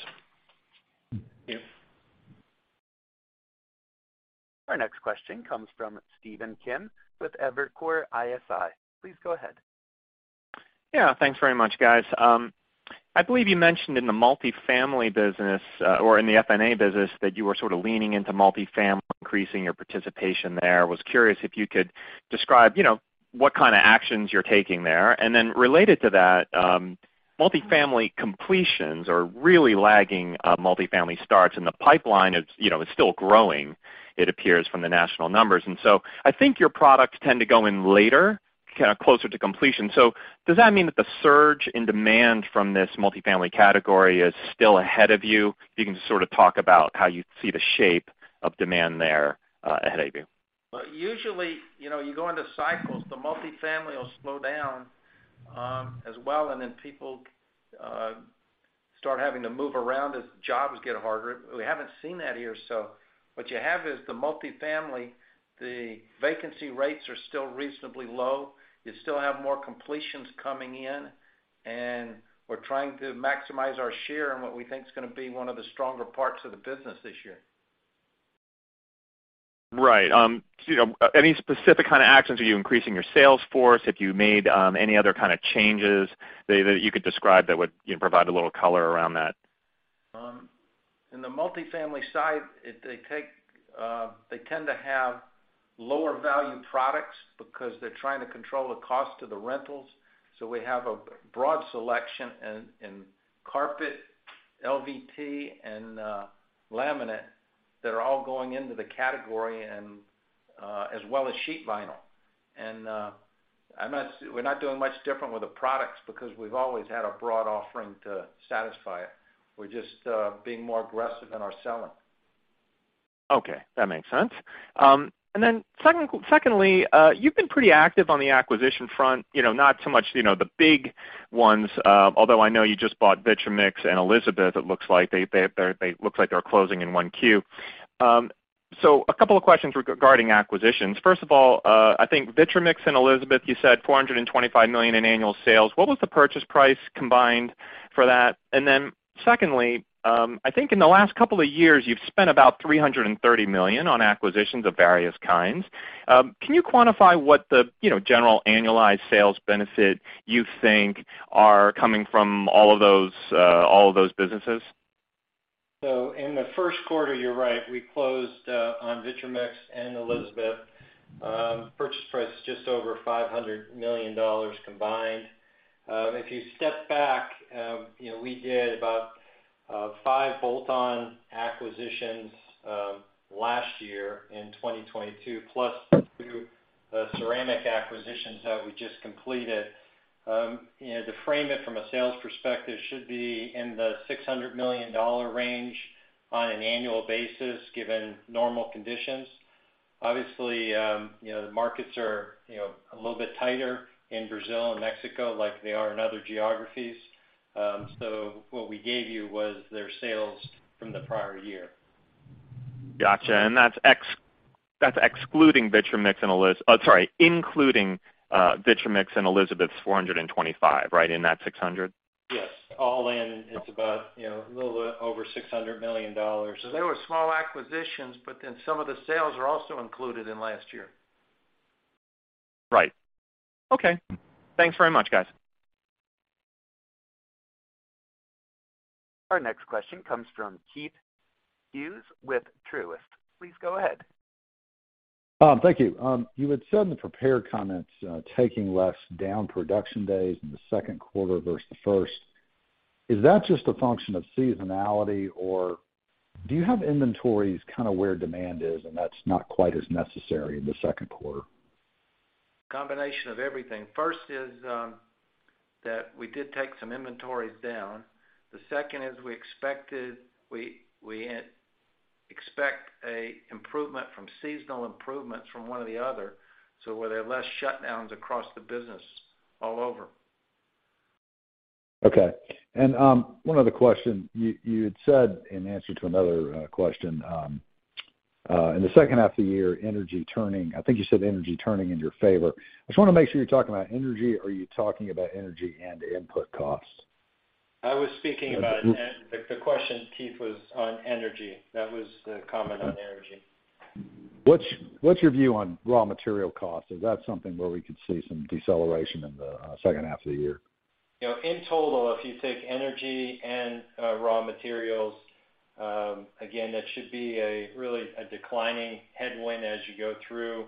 Thank you. Our next question comes from Stephen Kim with Evercore ISI. Please go ahead. Yeah. Thanks very much, guys. I believe you mentioned in the multifamily business, or in the FNA business that you were sort of leaning into multifamily, increasing your participation there. Was curious if you could describe, you know, what kind of actions you're taking there. Related to that, multifamily completions are really lagging multifamily starts, and the pipeline is, you know, is still growing, it appears from the national numbers. I think your products tend to go in later, kinda closer to completion. Does that mean that the surge in demand from this multifamily category is still ahead of you? If you can just sort of talk about how you see the shape of demand there, ahead of you. Well, usually, you know, you go into cycles, the multifamily will slow down as well, and then people start having to move around as jobs get harder. We haven't seen that here. What you have is the multifamily, the vacancy rates are still reasonably low. You still have more completions coming in, and we're trying to maximize our share on what we think is gonna be one of the stronger parts of the business this year. Right. You know, any specific kind of actions? Are you increasing your sales force? If you made any other kind of changes that you could describe that would, you know, provide a little color around that? In the multifamily side, they tend to have lower value products because they're trying to control the cost of the rentals. We have a broad selection in carpet, LVT, and laminate that are all going into the category as well as sheet vinyl. We're not doing much different with the products because we've always had a broad offering to satisfy it. We're just being more aggressive in our selling. Okay. That makes sense. Secondly, you've been pretty active on the acquisition front, you know, not so much, you know, the big ones, although I know you just bought Vitromex and Elizabeth, it looks like. They look like they're closing in 1Q. A couple of questions regarding acquisitions. First of all, I think Vitromex and Elizabeth, you said $425 million in annual sales. What was the purchase price combined for that? Secondly, I think in the last couple of years, you've spent about $330 million on acquisitions of various kinds. Can you quantify what the, you know, general annualized sales benefit you think are coming from all of those, all of those businesses? In the first quarter, you're right, we closed on Vitromex and Elizabeth. Purchase price just over $500 million combined. If you step back, you know, we did about five bolt-on acquisitions last year in 2022, plus two ceramic acquisitions that we just completed. You know, to frame it from a sales perspective should be in the $600 million range on an annual basis, given normal conditions. Obviously, you know, the markets are, you know, a little bit tighter in Brazil and Mexico like they are in other geographies. What we gave you was their sales from the prior year. Gotcha. that's excluding Vitromex, oh, sorry, including Vitromex and Elizabeth's $425, right, in that $600? Yes. All in, it's about, you know, a little bit over $600 million. They were small acquisitions, but then some of the sales are also included in last year. Right. Okay. Thanks very much, guys. Our next question comes from Keith Hughes with Truist. Please go ahead. Thank you. You had said in the prepared comments, taking less down production days in the second quarter versus the first. Is that just a function of seasonality, or do you have inventories kinda where demand is and that's not quite as necessary in the second quarter? Combination of everything. First is, that we did take some inventories down. The second is we expect a improvement from seasonal improvements from one or the other, where there are less shutdowns across the business all over. Okay. One other question. You had said in answer to another question in the second half of the year, energy turning. I think you said energy turning in your favor. I just wanna make sure you're talking about energy, or are you talking about energy and input costs? I was speaking about. The question, Keith, was on energy. That was the comment on energy. What's your view on raw material costs? Is that something where we could see some deceleration in the second half of the year? You know, in total, if you take energy and raw materials, again, that should be a really a declining headwind as you go through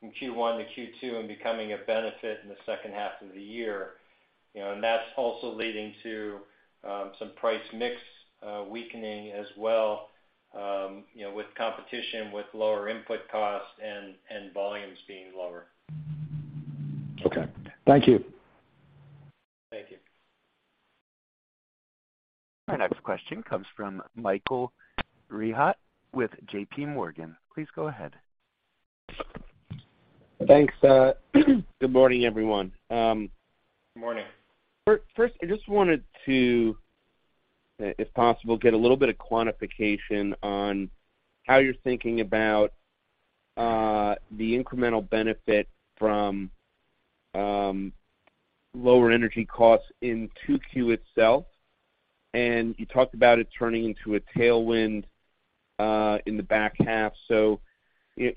from Q1 to Q2 and becoming a benefit in the second half of the year. You know, that's also leading to, some price mix, weakening as well, you know, with competition, with lower input costs and volumes being lower. Okay. Thank you. Thank you. Our next question comes from Michael Rehaut with J.P. Morgan. Please go ahead. Thanks. Good morning, everyone. Morning. First, I just wanted to, if possible, get a little bit of quantification on how you're thinking about the incremental benefit from lower energy costs in 2Q itself. You talked about it turning into a tailwind in the back half. You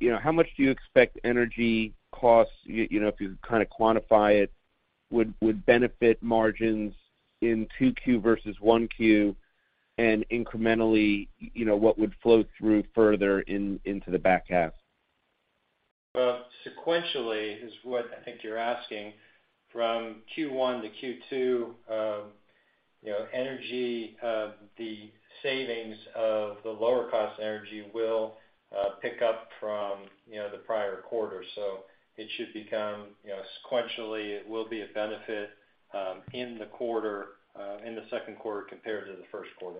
know, how much do you expect energy costs, you know, if you kind of quantify it, would benefit margins in 2Q versus 1Q, and incrementally, you know, what would flow through further into the back half? Sequentially is what I think you're asking. From Q1 to Q2, you know, energy, the savings of the lower cost energy will pick up from, you know, the prior quarter. It should become, you know, sequentially, it will be a benefit, in the quarter, in the second quarter compared to the first quarter.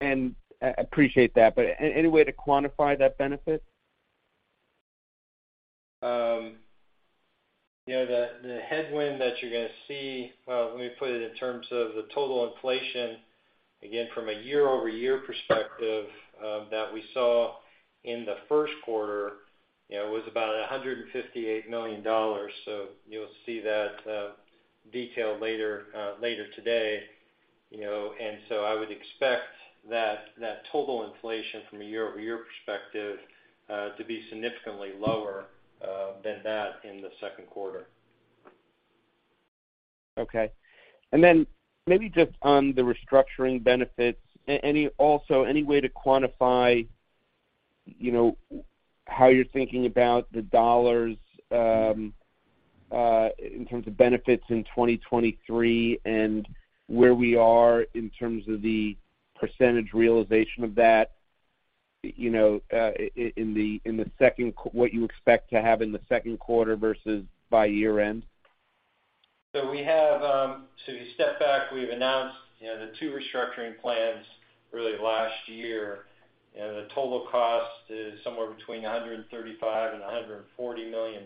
I appreciate that, but any way to quantify that benefit? You know, the headwind that you're gonna see. Well, let me put it in terms of the total inflation, again, from a year-over-year perspective, that we saw in the first quarter, you know, was about $158 million. You'll see that detail later later today, you know. I would expect that total inflation from a year-over-year perspective, to be significantly lower than that in the second quarter. Okay. Maybe just on the restructuring benefits. Any way to quantify, you know, how you're thinking about the dollars in terms of benefits in 2023 and where we are in terms of the percentage realization of that, you know, in the second quarter what you expect to have in the second quarter versus by year-end? We have, to step back, we've announced, you know, the two restructuring plans early last year. You know, the total cost is somewhere between $135 million-$140 million.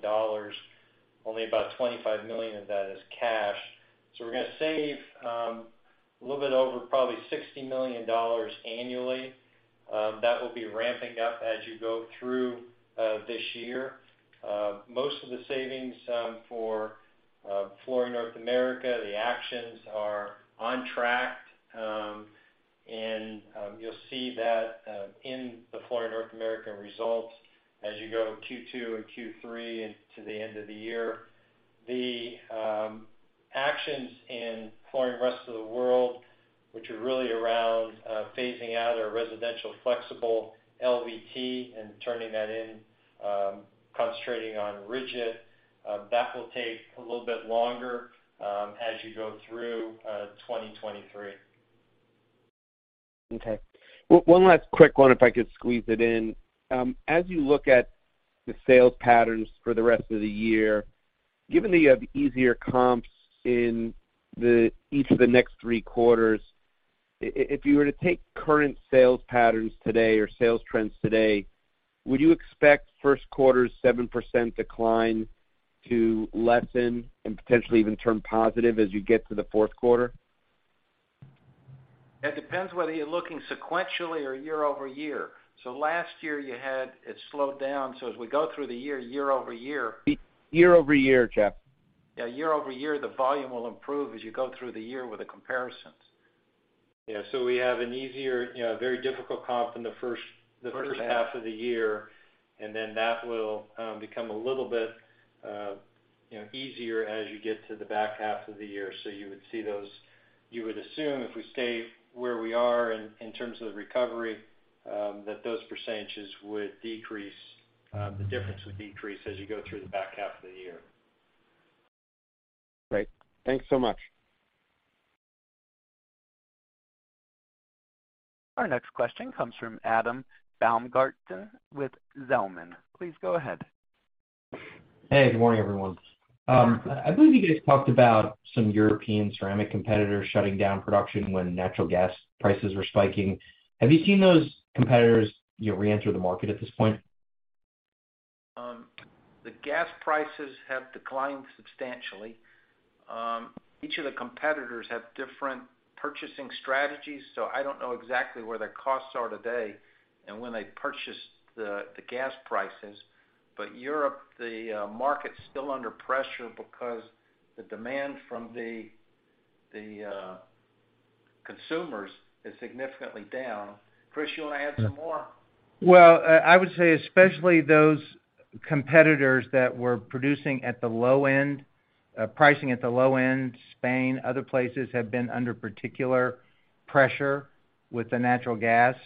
Only about $25 million of that is cash. We're gonna save a little bit over probably $60 million annually. That will be ramping up as you go through this year. Most of the savings for Flooring North America, the actions are on track. You'll see that in the Flooring North America results as you go Q2 and Q3 and to the end of the year. The actions in Flooring Rest of the World, which are really around phasing out our residential flexible LVT and turning that in, concentrating on rigid, that will take a little bit longer, as you go through 2023. Okay. One last quick one if I could squeeze it in. As you look at the sales patterns for the rest of the year, given that you have easier comps in each of the next three quarters, if you were to take current sales patterns today or sales trends today, would you expect first quarter's 7% decline to lessen and potentially even turn positive as you get to the fourth quarter? It depends whether you're looking sequentially or year-over-year. Last year you had it slowed down, so as we go through the year-over-year. Year-over-year, Jeff. Yeah, year-over-year, the volume will improve as you go through the year with the comparisons. Yeah. We have an easier, you know, very difficult comp in the first half of the year, and then that will become a little bit, you know, easier as you get to the back half of the year. You would assume if we stay where we are in terms of the recovery, that those percentages would decrease, the difference would decrease as you go through the back half of the year. Great. Thanks so much. Our next question comes from Adam Baumgarten with Zelman. Please go ahead. Hey, good morning, everyone. I believe you guys talked about some European ceramic competitors shutting down production when natural gas prices were spiking. Have you seen those competitors, you know, reenter the market at this point? The gas prices have declined substantially. Each of the competitors have different purchasing strategies, so I don't know exactly where their costs are today and when they purchased the gas prices. Europe, the market's still under pressure because the demand from the consumers is significantly down. Chris, you wanna add some more? Well, I would say especially those competitors that were producing at the low end, pricing at the low end, Spain, other places, have been under particular pressure with the natural gas.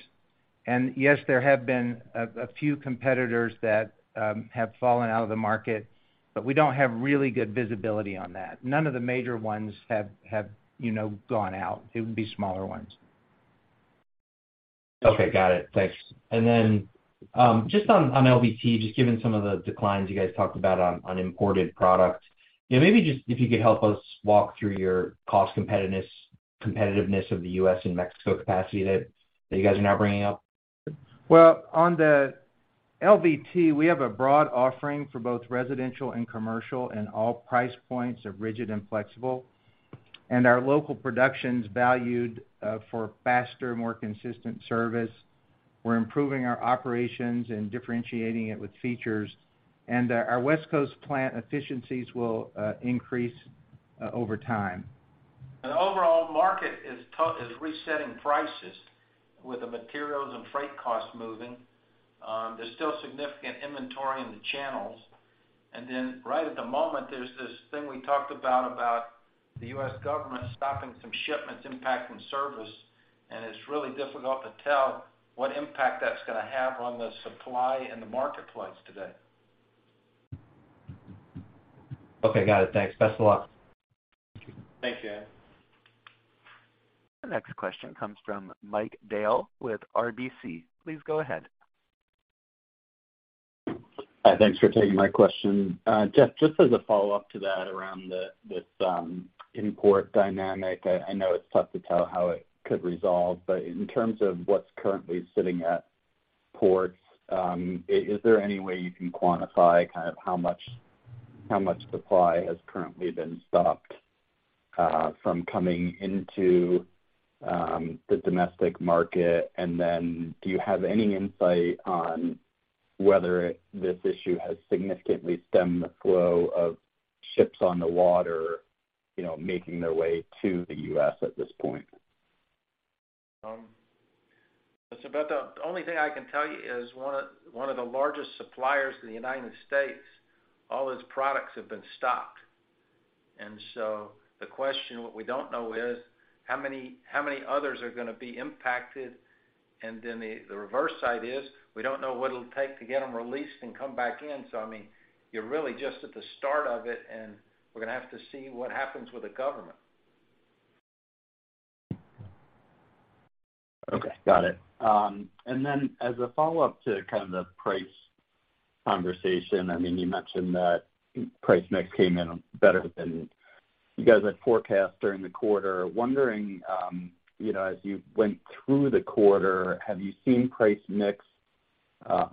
Yes, there have been a few competitors that have fallen out of the market, but we don't have really good visibility on that. None of the major ones have, you know, gone out. It would be smaller ones. Okay. Got it. Thanks. Just on LVT, just given some of the declines you guys talked about on imported product, you know, maybe just if you could help us walk through your cost competitiveness of the U.S. and Mexico capacity that you guys are now bringing up. Well, on the LVT, we have a broad offering for both residential and commercial in all price points of rigid and flexible. Our local production's valued for faster, more consistent service. We're improving our operations and differentiating it with features. Our West Coast plant efficiencies will increase over time. The overall market is resetting prices with the materials and freight costs moving. There's still significant inventory in the channels. Right at the moment, there's this thing we talked about the U.S. government stopping some shipments impacting service, and it's really difficult to tell what impact that's gonna have on the supply and the marketplace today. Okay. Got it. Thanks. Best of luck. Thank you. Thanks, Adam. The next question comes from Mike Dahl with RBC. Please go ahead. Thanks for taking my question. Jeff, just as a follow-up to that around the, this, import dynamic, I know it's tough to tell how it could resolve, but in terms of what's currently sitting at ports, is there any way you can quantify kind of how much supply has currently been stopped from coming into the domestic market? Do you have any insight on whether this issue has significantly stemmed the flow of ships on the water, you know, making their way to the U.S. at this point? The only thing I can tell you is one of the largest suppliers in the United States, all its products have been stopped. The question, what we don't know is, how many others are gonna be impacted? The reverse side is, we don't know what it'll take to get them released and come back in. I mean, you're really just at the start of it, and we're gonna have to see what happens with the government. Okay. Got it. Then as a follow-up to kind of the price conversation, I mean, you mentioned that price mix came in better than you guys had forecast during the quarter. Wondering, you know, as you went through the quarter, have you seen price mix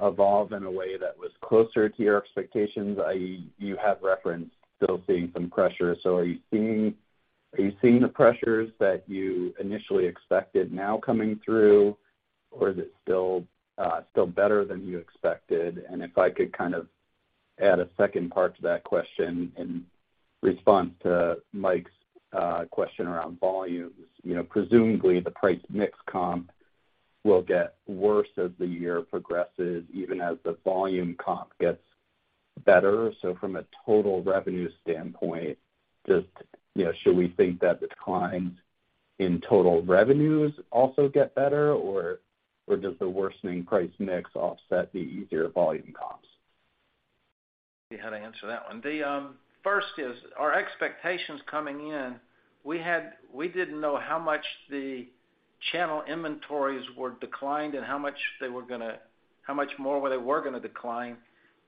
evolve in a way that was closer to your expectations, i.e., you have referenced still seeing some pressure. Are you seeing the pressures that you initially expected now coming through, or is it still better than you expected? If I could kind of add a second part to that question in response to Mike's question around volumes. You know, presumably the price mix comp will get worse as the year progresses, even as the volume comp gets better. From a total revenue standpoint, just, you know, should we think that declines in total revenues also get better, or does the worsening price mix offset the easier volume comps? See how to answer that one. The first is our expectations coming in, we didn't know how much the channel inventories were declined and how much more they were gonna decline.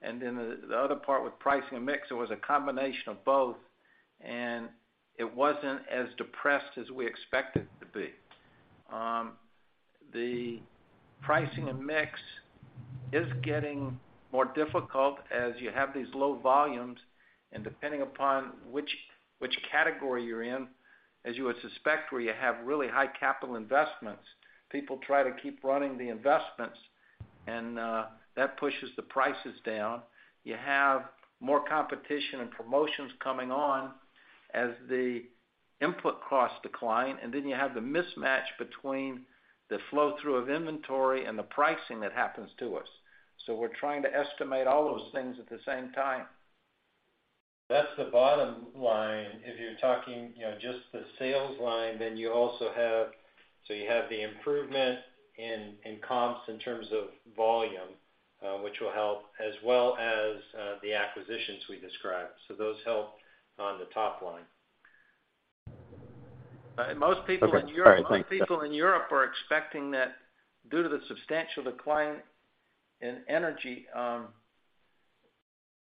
The other part with pricing and mix, it was a combination of both, and it wasn't as depressed as we expected it to be. The pricing and mix is getting more difficult as you have these low volumes. Depending upon which category you're in, as you would suspect, where you have really high capital investments, people try to keep running the investments, and that pushes the prices down. You have more competition and promotions coming on as the input costs decline, and then you have the mismatch between the flow-through of inventory and the pricing that happens to us. We're trying to estimate all those things at the same time. That's the bottom line. If you're talking, you know, just the sales line, you have the improvement in comps in terms of volume, which will help as well as, the acquisitions we described. Those help on the top line. Most people in Europe. Okay. All right, thanks. Most people in Europe are expecting that due to the substantial decline in energy,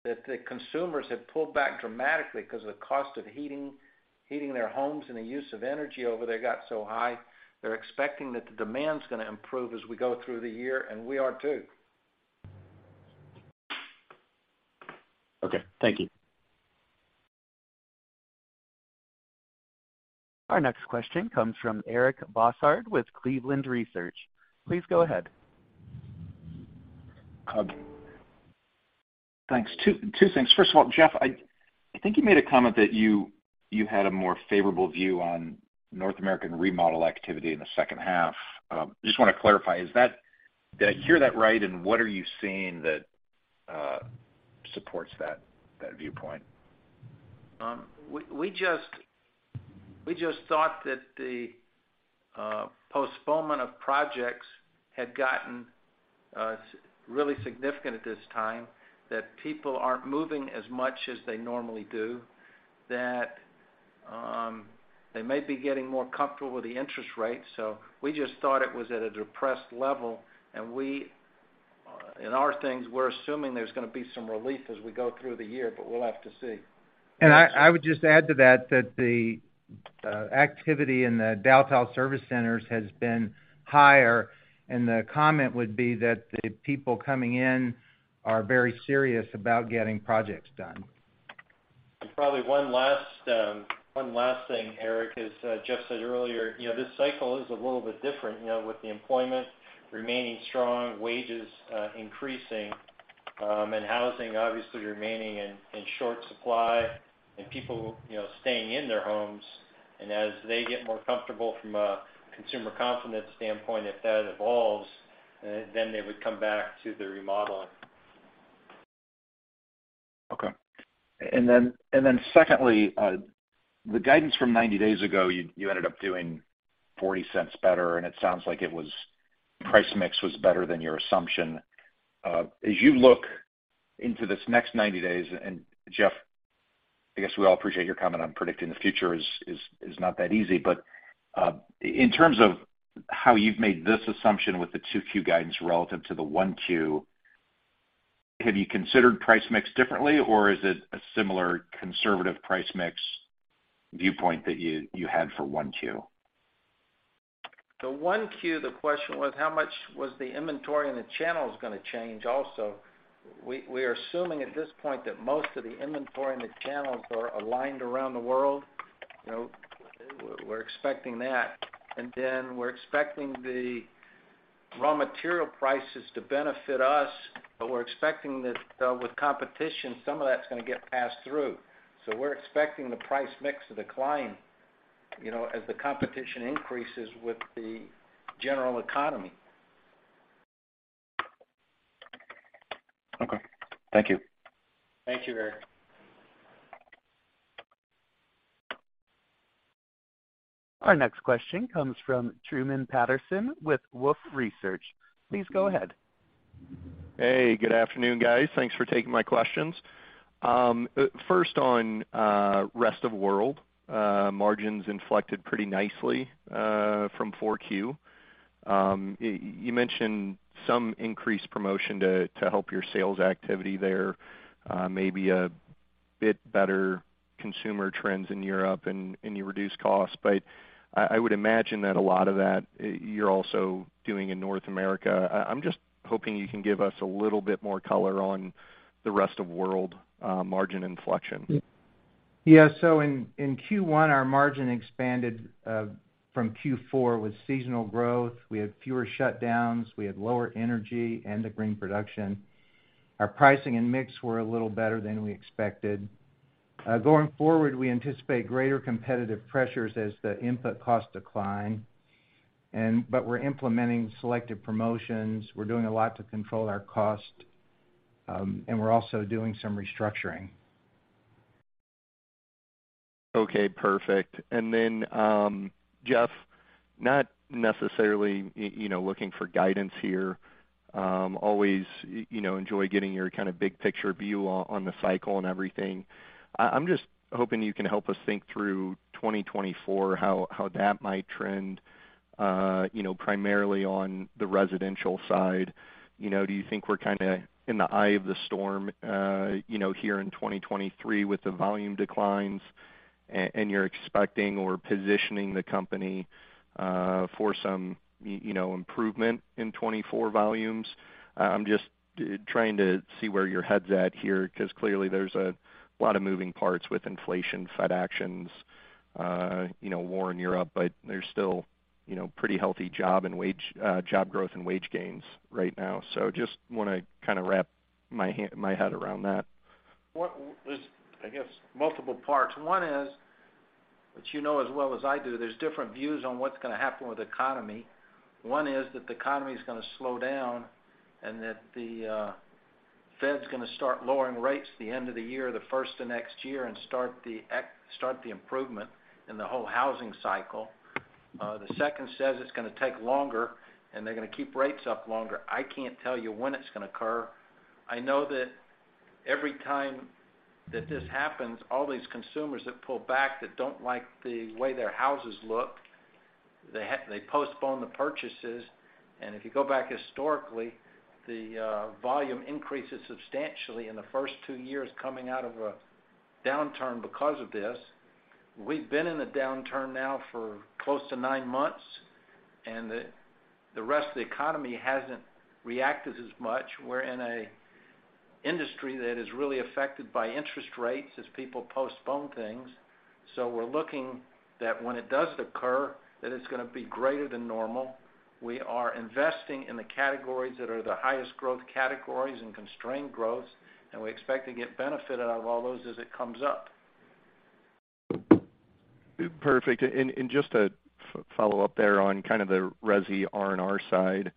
that the consumers have pulled back dramatically 'cause of the cost of heating their homes, and the use of energy over there got so high. They're expecting that the demand's gonna improve as we go through the year, and we are too. Okay. Thank you. Our next question comes from Eric Bosshard with Cleveland Research. Please go ahead. Hub. Thanks. Two things. First of all, Jeff, I think you made a comment that you had a more favorable view on North American remodel activity in the second half. Just wanna clarify, did I hear that right, and what are you seeing that supports that viewpoint? We just thought that the postponement of projects had gotten really significant at this time, that people aren't moving as much as they normally do, that they may be getting more comfortable with the interest rates. We just thought it was at a depressed level. We, in our things, we're assuming there's gonna be some relief as we go through the year. We'll have to see. I would just add to that the activity in the Dal-Tile service centers has been higher, and the comment would be that the people coming in are very serious about getting projects done. Probably one last, one last thing, Eric, as Jeff said earlier, you know, this cycle is a little bit different, you know, with the employment remaining strong, wages increasing, and housing obviously remaining in short supply and people, you know, staying in their homes. As they get more comfortable from a consumer confidence standpoint, if that evolves, then they would come back to the remodeling. Okay. Then secondly, the guidance from 90 days ago, you ended up doing $0.40 better, and it sounds like it was price mix was better than your assumption. As you look into this next 90 days, Jeff, I guess we all appreciate your comment on predicting the future is not that easy, but in terms of how you've made this assumption with the 2Q guidance relative to the 1Q, have you considered price mix differently, or is it a similar conservative price mix viewpoint that you had for 1Q? The 1Q, the question was how much was the inventory and the channels gonna change also. We are assuming at this point that most of the inventory and the channels are aligned around the world. You know, we're expecting that. We're expecting the raw material prices to benefit us, but we're expecting that with competition, some of that's gonna get passed through. We're expecting the price mix to decline, you know, as the competition increases with the general economy. Okay. Thank you. Thank you, Eric. Our next question comes from Truman Patterson with Wolfe Research. Please go ahead. Hey, good afternoon, guys. Thanks for taking my questions. First on Rest of World, margins inflected pretty nicely from 4Q. You mentioned some increased promotion to help your sales activity there, maybe a bit better consumer trends in Europe and you reduce costs. I would imagine that a lot of that, you're also doing in North America. I'm just hoping you can give us a little bit more color on the Rest of World margin inflection. Yeah. In Q1, our margin expanded from Q4 with seasonal growth. We had fewer shutdowns, we had lower energy and the green production. Our pricing and mix were a little better than we expected. Going forward, we anticipate greater competitive pressures as the input costs decline. We're implementing selective promotions. We're doing a lot to control our cost, we're also doing some restructuring. Okay, perfect. Jeff, not necessarily, you know, looking for guidance here. Always, you know, enjoy getting your kind of big picture view on the cycle and everything. I'm just hoping you can help us think through 2024, how that might trend, you know, primarily on the residential side. You know, do you think we're kind of in the eye of the storm, you know, here in 2023 with the volume declines and you're expecting or positioning the company for some, you know, improvement in 2024 volumes? I'm just trying to see where your head's at here, because clearly there's a lot of moving parts with inflation, Fed actions, you know, war in Europe, but there's still, you know, pretty healthy job and wage growth and wage gains right now. Just wanna kind of wrap my head around that. There's, I guess, multiple parts. One is that you know as well as I do, there's different views on what's gonna happen with the economy. One is that the economy is gonna slow down and that the Fed's gonna start lowering rates at the end of the year, the first of next year and start the improvement in the whole housing cycle. The second says it's gonna take longer, and they're gonna keep rates up longer. I can't tell you when it's gonna occur. I know that every time that this happens, all these consumers that pull back that don't like the way their houses look, they postpone the purchases. If you go back historically, the volume increases substantially in the first two years coming out of a downturn because of this. We've been in a downturn now for close to nine months, and the rest of the economy hasn't reacted as much. We're in a industry that is really affected by interest rates as people postpone things. We're looking that when it does occur, that it's gonna be greater than normal. We are investing in the categories that are the highest growth categories and constrained growth, and we expect to get benefit out of all those as it comes up. Perfect. Just to follow up there on kind of the resi R&R side.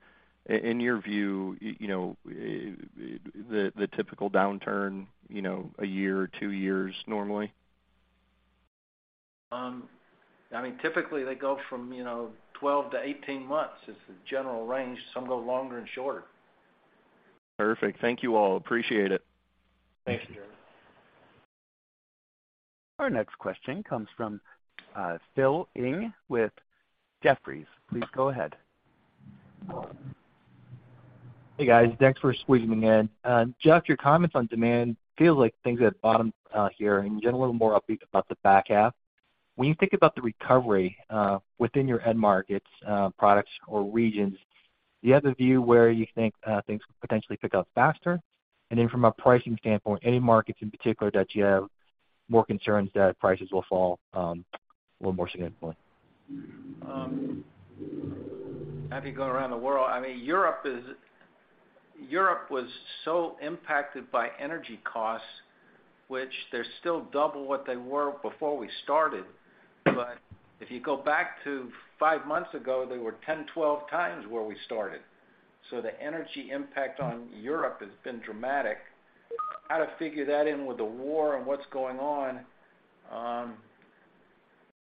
In your view, you know, the typical downturn, you know, a year or two years normally? I mean, typically they go from, you know, 12-18 months is the general range. Some go longer and shorter. Perfect. Thank you, all. Appreciate it. Thanks, Truman. Our next question comes from Philip Ng with Jefferies. Please go ahead. Hey, guys. Thanks for squeezing me in. Jeff, your comments on demand feels like things have bottomed out here, and you sound a little more upbeat about the back half. When you think about the recovery, within your end markets, products or regions, do you have a view where you think things could potentially pick up faster? From a pricing standpoint, any markets in particular that you have more concerns that prices will fall a little more significantly? As you go around the world, I mean, Europe was so impacted by energy costs, which they're still double what they were before we started. If you go back to five months ago, they were 10, 12x where we started. The energy impact on Europe has been dramatic. How to figure that in with the war and what's going on,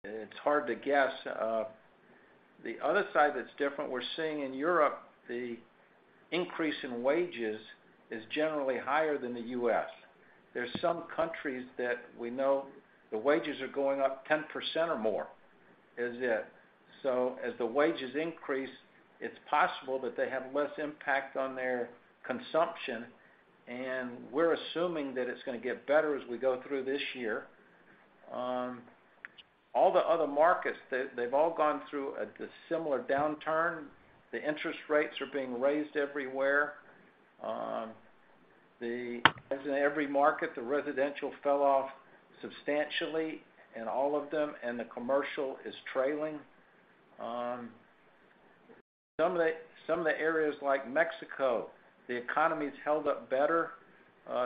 it's hard to guess. The other side that's different, we're seeing in Europe, the increase in wages is generally higher than the U.S. There's some countries that we know the wages are going up 10% or more, is it. As the wages increase, it's possible that they have less impact on their consumption, and we're assuming that it's gonna get better as we go through this year. All the other markets, they've all gone through a similar downturn. The interest rates are being raised everywhere. As in every market, the residential fell off substantially in all of them, and the commercial is trailing. Some of the areas like Mexico, the economy's held up better.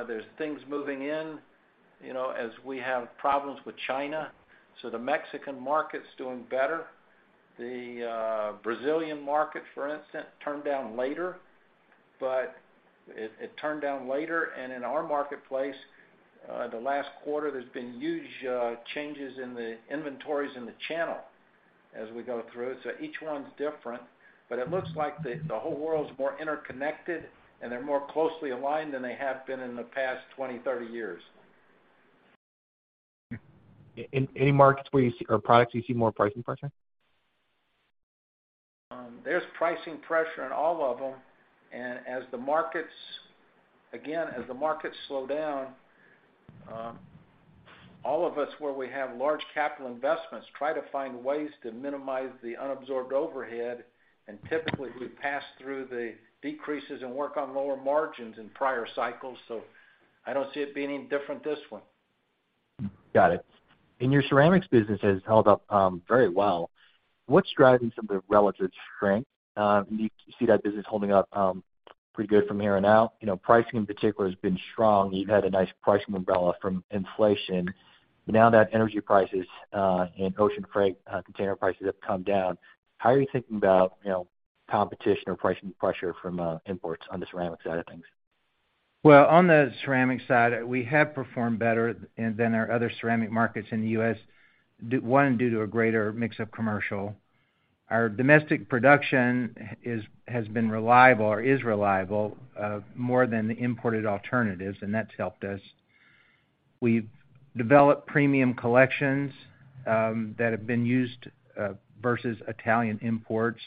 There's things moving in, you know, as we have problems with China. The Mexican market's doing better. The Brazilian market, for instance, turned down later, but it turned down later. In our marketplace, the last quarter, there's been huge changes in the inventories in the channel as we go through. Each one's different, but it looks like the whole world's more interconnected, and they're more closely aligned than they have been in the past 20, 30 years. Any markets or products you see more pricing pressure? There's pricing pressure in all of them. As the markets slow down, all of us where we have large capital investments try to find ways to minimize the unabsorbed overhead, and typically we pass through the decreases and work on lower margins in prior cycles. I don't see it being any different this one. Got it. Your ceramics business has held up very well. What's driving some of the relative strength? Do you see that business holding up pretty good from here and out? You know, pricing in particular has been strong. You've had a nice pricing umbrella from inflation. Now that energy prices and ocean freight container prices have come down, how are you thinking about, you know, competition or pricing pressure from imports on the ceramic side of things? Well, on the ceramic side, we have performed better than our other ceramic markets in the U.S. One, due to a greater mix of commercial. Our domestic production has been reliable or is reliable, more than the imported alternatives, and that's helped us. We've developed premium collections that have been used versus Italian imports,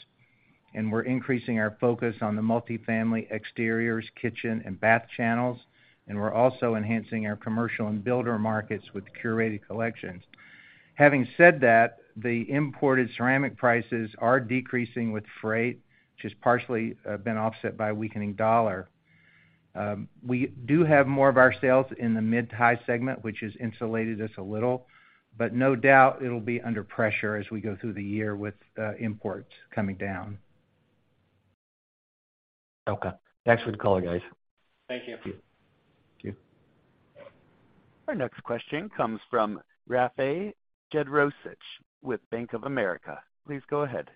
and we're increasing our focus on the multifamily exteriors, kitchen and bath channels, and we're also enhancing our commercial and builder markets with curated collections. Having said that, the imported ceramic prices are decreasing with freight, which has partially been offset by weakening dollar. We do have more of our sales in the mid-high segment, which has insulated us a little, but no doubt it'll be under pressure as we go through the year with imports coming down. Okay. Thanks for the call, guys. Thank you. Thank you. Our next question comes from Rafe Jadrosich with Bank of America. Please go ahead.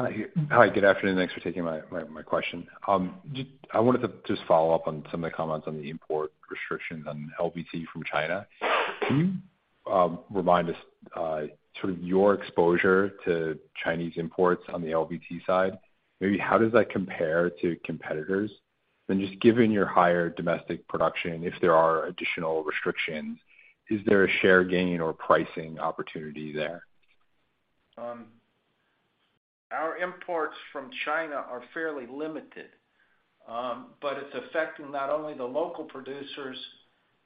Hi. Hi, good afternoon. Thanks for taking my question. I wanted to just follow up on some of the comments on the import restrictions on LVT from China. Can you remind us sort of your exposure to Chinese imports on the LVT side? Maybe how does that compare to competitors? Just given your higher domestic production, if there are additional restrictions, is there a share gain or pricing opportunity there? Our imports from China are fairly limited, but it's affecting not only the local producers.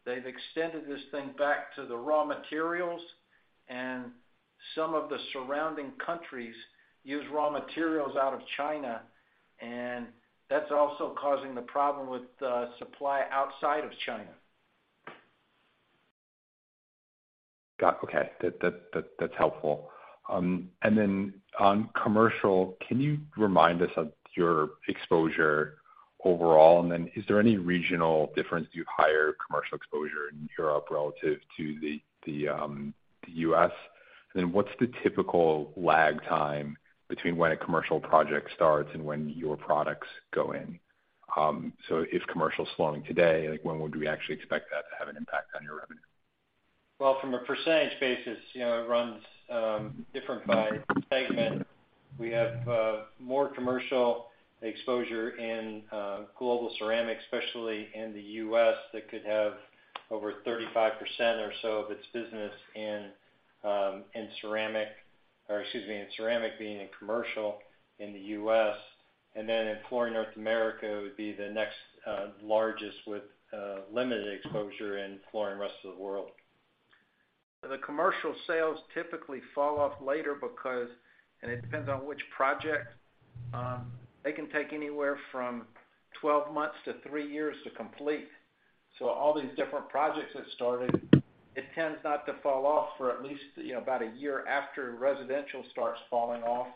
They've extended this thing back to the raw materials, and some of the surrounding countries use raw materials out of China, and that's also causing the problem with the supply outside of China. Got it. Okay. That's helpful. Then on commercial, can you remind us of your exposure overall? Then is there any regional difference? Do you have higher commercial exposure in Europe relative to the U.S.? Then what's the typical lag time between when a commercial project starts and when your products go in? If commercial is slowing today, like, when would we actually expect that to have an impact on your revenue? Well, from a percentage basis, you know, it runs different by segment. We have more commercial exposure in Global Ceramic, especially in the U.S., that could have over 35% or so of its business in ceramic being in commercial in the U.S. In Flooring North America, it would be the next largest with limited exposure in Flooring Rest of the World. The commercial sales typically fall off later because it depends on which project. They can take anywhere from 12 months to three years to complete. All these different projects that started, it tends not to fall off for at least, you know, about a year after residential starts falling off.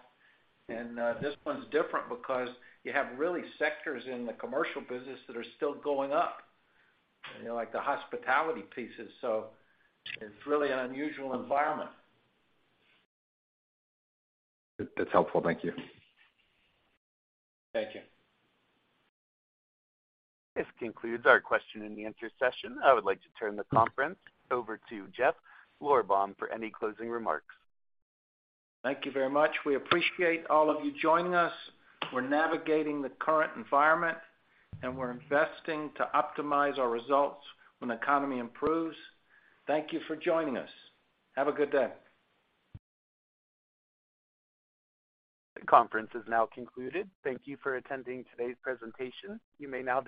this one's different because you have really sectors in the commercial business that are still going up, you know, like the hospitality pieces. it's really an unusual environment. That's helpful. Thank you. Thank you. This concludes our question and answer session. I would like to turn the conference over to Jeff Lorberbaum for any closing remarks. Thank you very much. We appreciate all of you joining us. We're navigating the current environment, and we're investing to optimize our results when the economy improves. Thank you for joining us. Have a good day. The conference is now concluded. Thank you for attending today's presentation. You may now disconnect.